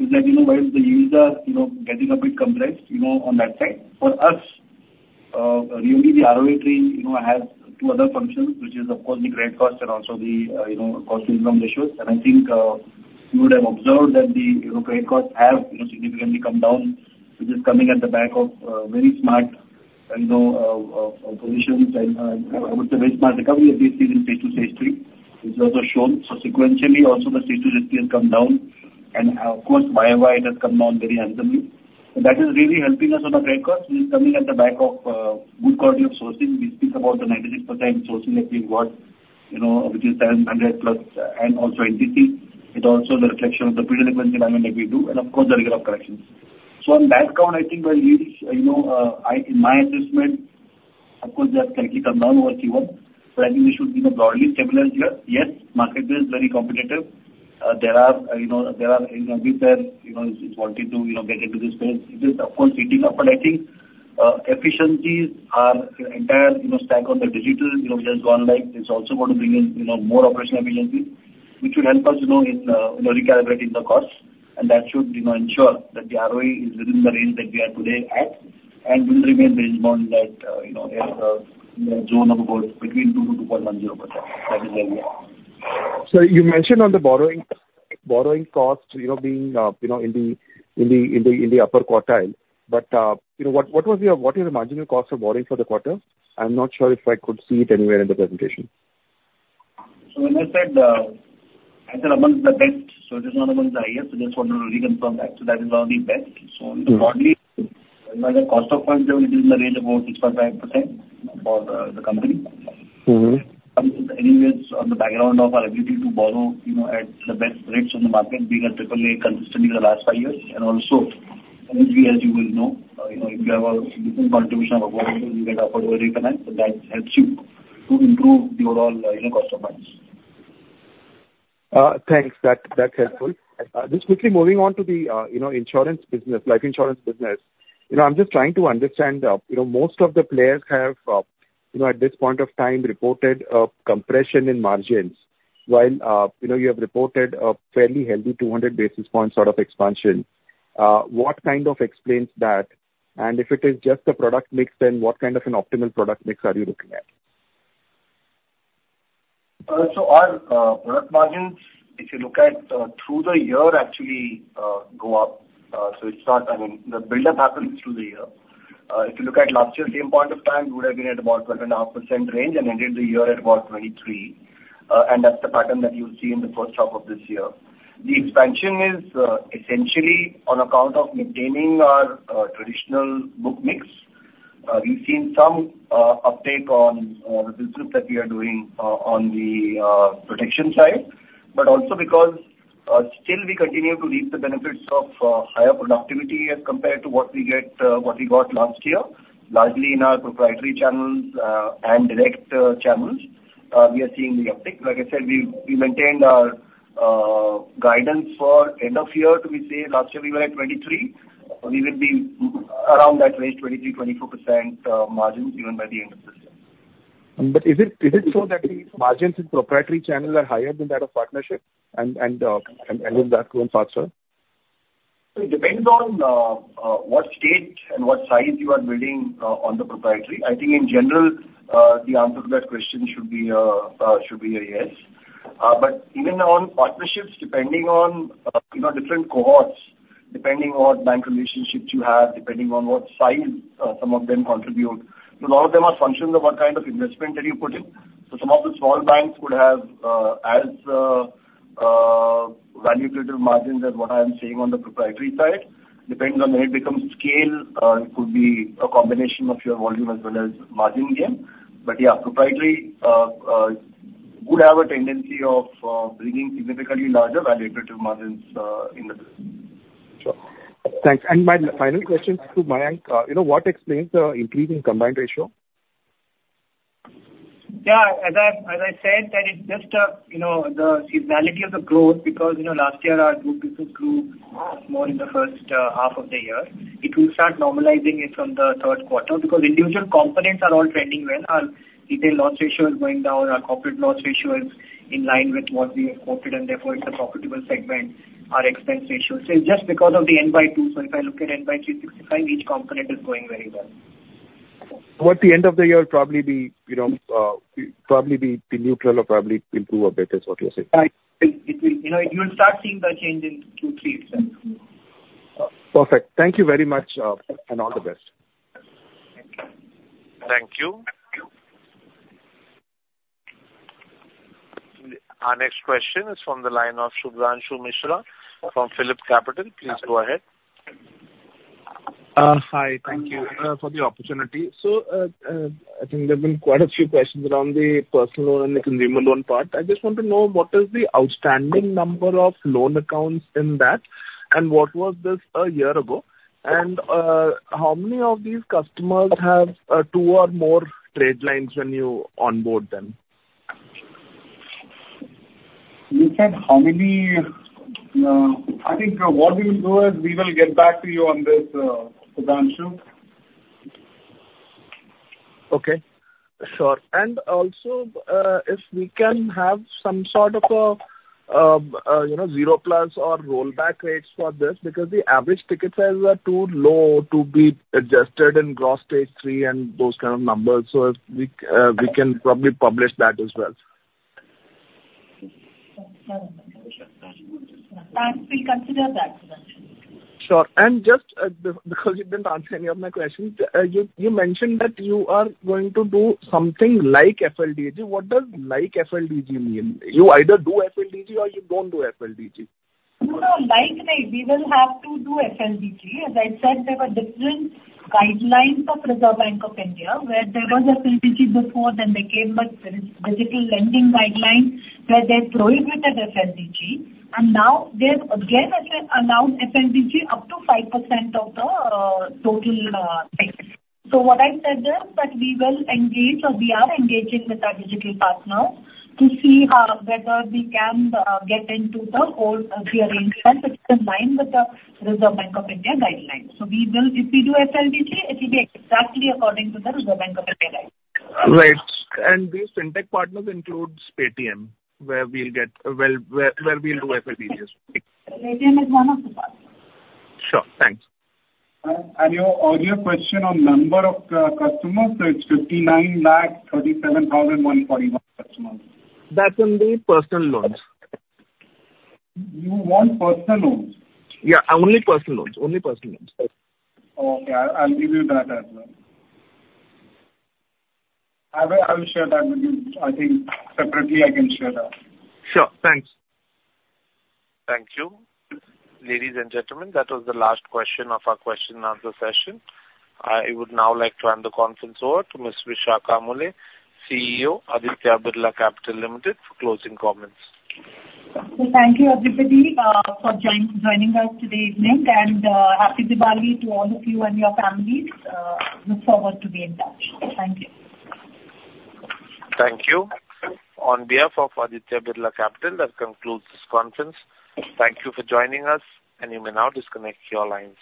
is that, you know, while the yields are, you know, getting a bit compressed, you know, on that side. For us, really the ROE trend, you know, has two other functions, which is of course, the credit costs and also the, you know, cost-to-income ratios. And I think, you would have observed that the, you know, credit costs have, you know, significantly come down, which is coming at the back of, very smart, you know, positions and, I would say very smart recovery, at least in stage two, stage three. It's also shown. So sequentially, also the stage two, stage three has come down, and of course, YOY it has come down very handsomely. So that is really helping us on the credit cost, which is coming at the back of good quality of sourcing. We speak about the 96% sourcing that we got, you know, which is 1,000+, and also entities. It's also the reflection of the pre-eligibility lending that we do and of course, the regular corrections. So on that count, I think by yields, you know, I, in my assessment, of course, they have slightly come down over Q1, but I think we should be more broadly stabilized here. Yes, market is very competitive. There are, you know, there are, you know, with that, you know, it's wanting to, you know, get into this space. It is, of course, it is operating. Efficiencies are entire, you know, stack on the digital, you know, which has gone live. It's also going to bring in, you know, more operational efficiency, which will help us, you know, in, you know, recalibrating the costs. That should, you know, ensure that the ROE is within the range that we are today at, and will remain range-bound at, you know, in the, you know, zone of about between 2%-2.10%. That is where we are. So you mentioned on the borrowing, borrowing costs, you know, being in the upper quartile. But you know, what is your marginal cost of borrowing for the quarter? I'm not sure if I could see it anywhere in the presentation. When I said, I said among the best, so it is not among the highest. I just want to reconfirm that. So that is one of the best. Mm-hmm. So broadly, like the cost of funds is in the range of about 6.5% for the company. Mm-hmm. Anyways, on the background of our ability to borrow, you know, at the best rates in the market, being a AAA consistently in the last five years, and also, NHB, as you will know, you know, if you have a different contribution of affordable, you get affordable refinance, so that helps you to improve your all, you know, cost of funds. Thanks. That, that's helpful. Just quickly moving on to the, you know, insurance business, life insurance business. You know, I'm just trying to understand, you know, most of the players have, you know, at this point of time, reported a compression in margins, while, you know, you have reported a fairly healthy 200 basis point sort of expansion. What kind of explains that? And if it is just a product mix, then what kind of an optimal product mix are you looking at? So our product margins, if you look at through the year, actually, go up. So it's not... I mean, the buildup happens through the year. If you look at last year, same point of time, we would have been at about 1.5% range and ended the year at about 23%. And that's the pattern that you'll see in the first half of this year. The expansion is essentially on account of maintaining our traditional book mix. We've seen some uptake on the business that we are doing on the protection side, but also because still we continue to reap the benefits of higher productivity as compared to what we get, what we got last year, largely in our proprietary channels and direct channels, we are seeing the uptick. Like I said, we maintained our guidance for end of year to be safe. Last year we were at 23%, and we will be around that range, 23%-24% margins even by the end of this year. But is it so that the margins in proprietary channels are higher than that of partnerships and will that grow faster? It depends on what state and what size you are building on the proprietary. I think in general the answer to that question should be should be a yes. But even on partnerships, depending on you know different cohorts-... depending on what bank relationships you have, depending on what size, some of them contribute, because all of them are functions of what kind of investment that you put in. So some of the small banks could have, as, value creative margins as what I am saying on the proprietary side, depends on when it becomes scale, it could be a combination of your volume as well as margin gain. But yeah, proprietary, would have a tendency of, bringing significantly larger value creative margins, in the business. Sure. Thanks. My final question to Mayank, you know, what explains the increase in combined ratio? Yeah, as I said, that it's just, you know, the seasonality of the growth, because, you know, last year our group business grew more in the first half of the year. It will start normalizing it from the third quarter, because individual components are all trending well. Our retail loss ratio is going down, our corporate loss ratio is in line with what we have quoted, and therefore, it's a profitable segment, our expense ratio. So just because of the [n x 2], so if I look at [n x 365, each component is going very well. Towards the end of the year, probably be, you know, probably be neutral or probably improve or better is what you're saying? Right. It will, you know, you'll start seeing the change in Q3 itself. Perfect. Thank you very much, and all the best. Thank you. Thank you. Our next question is from the line of Shubhanshu Mishra from PhillipCapital. Please go ahead. Hi, thank you for the opportunity. So, I think there have been quite a few questions around the personal loan and the consumer loan part. I just want to know, what is the outstanding number of loan accounts in that, and what was this a year ago? And, how many of these customers have two or more trade lines when you onboard them? You said how many? I think what we will do is, we will get back to you on this, Shubhanshu. Okay, sure. And also, if we can have some sort of a, you know, zero plus or rollback rates for this, because the average ticket sizes are too low to be adjusted in Gross Stage Three and those kind of numbers. So if we, we can probably publish that as well. Thanks, we'll consider that. Sure. And just, because you didn't answer any of my questions. You mentioned that you are going to do something like FLDG. What does like FLDG mean? You either do FLDG or you don't do FLDG. No, no, like, like, we will have to do FLDG. As I said, there were different guidelines of Reserve Bank of India, where there was FLDG before, then they came with this digital lending guidelines, where they prohibited FLDG, and now they've again announced FLDG up to 5% of the total [things]. So what I said is, that we will engage or we are engaging with our digital partners to see whether we can get into the whole rearrangement which is in line with the Reserve Bank of India guidelines. So we will. If we do FLDG, it will be exactly according to the Reserve Bank of India guidelines. Right. And these fintech partners includes Paytm, where we'll do FLDG. Paytm is one of the partners. Sure. Thanks. Your earlier question on number of customers, so it's 5,937,141 customers. That's only personal loans. You want personal loans? Yeah. Only personal loans. Only personal loans. Okay. I'll give you that as well. I will share that with you. I think separately I can share that. Sure. Thanks. Thank you. Ladies and gentlemen, that was the last question of our question and answer session. I would now like to hand the conference over to Ms. Vishakha Mulye, CEO, Aditya Birla Capital Limited, for closing comments. Thank you, everybody, for joining us today evening, and Happy Diwali to all of you and your families. Look forward to be in touch. Thank you. Thank you. On behalf of Aditya Birla Capital, that concludes this conference. Thank you for joining us, and you may now disconnect your lines.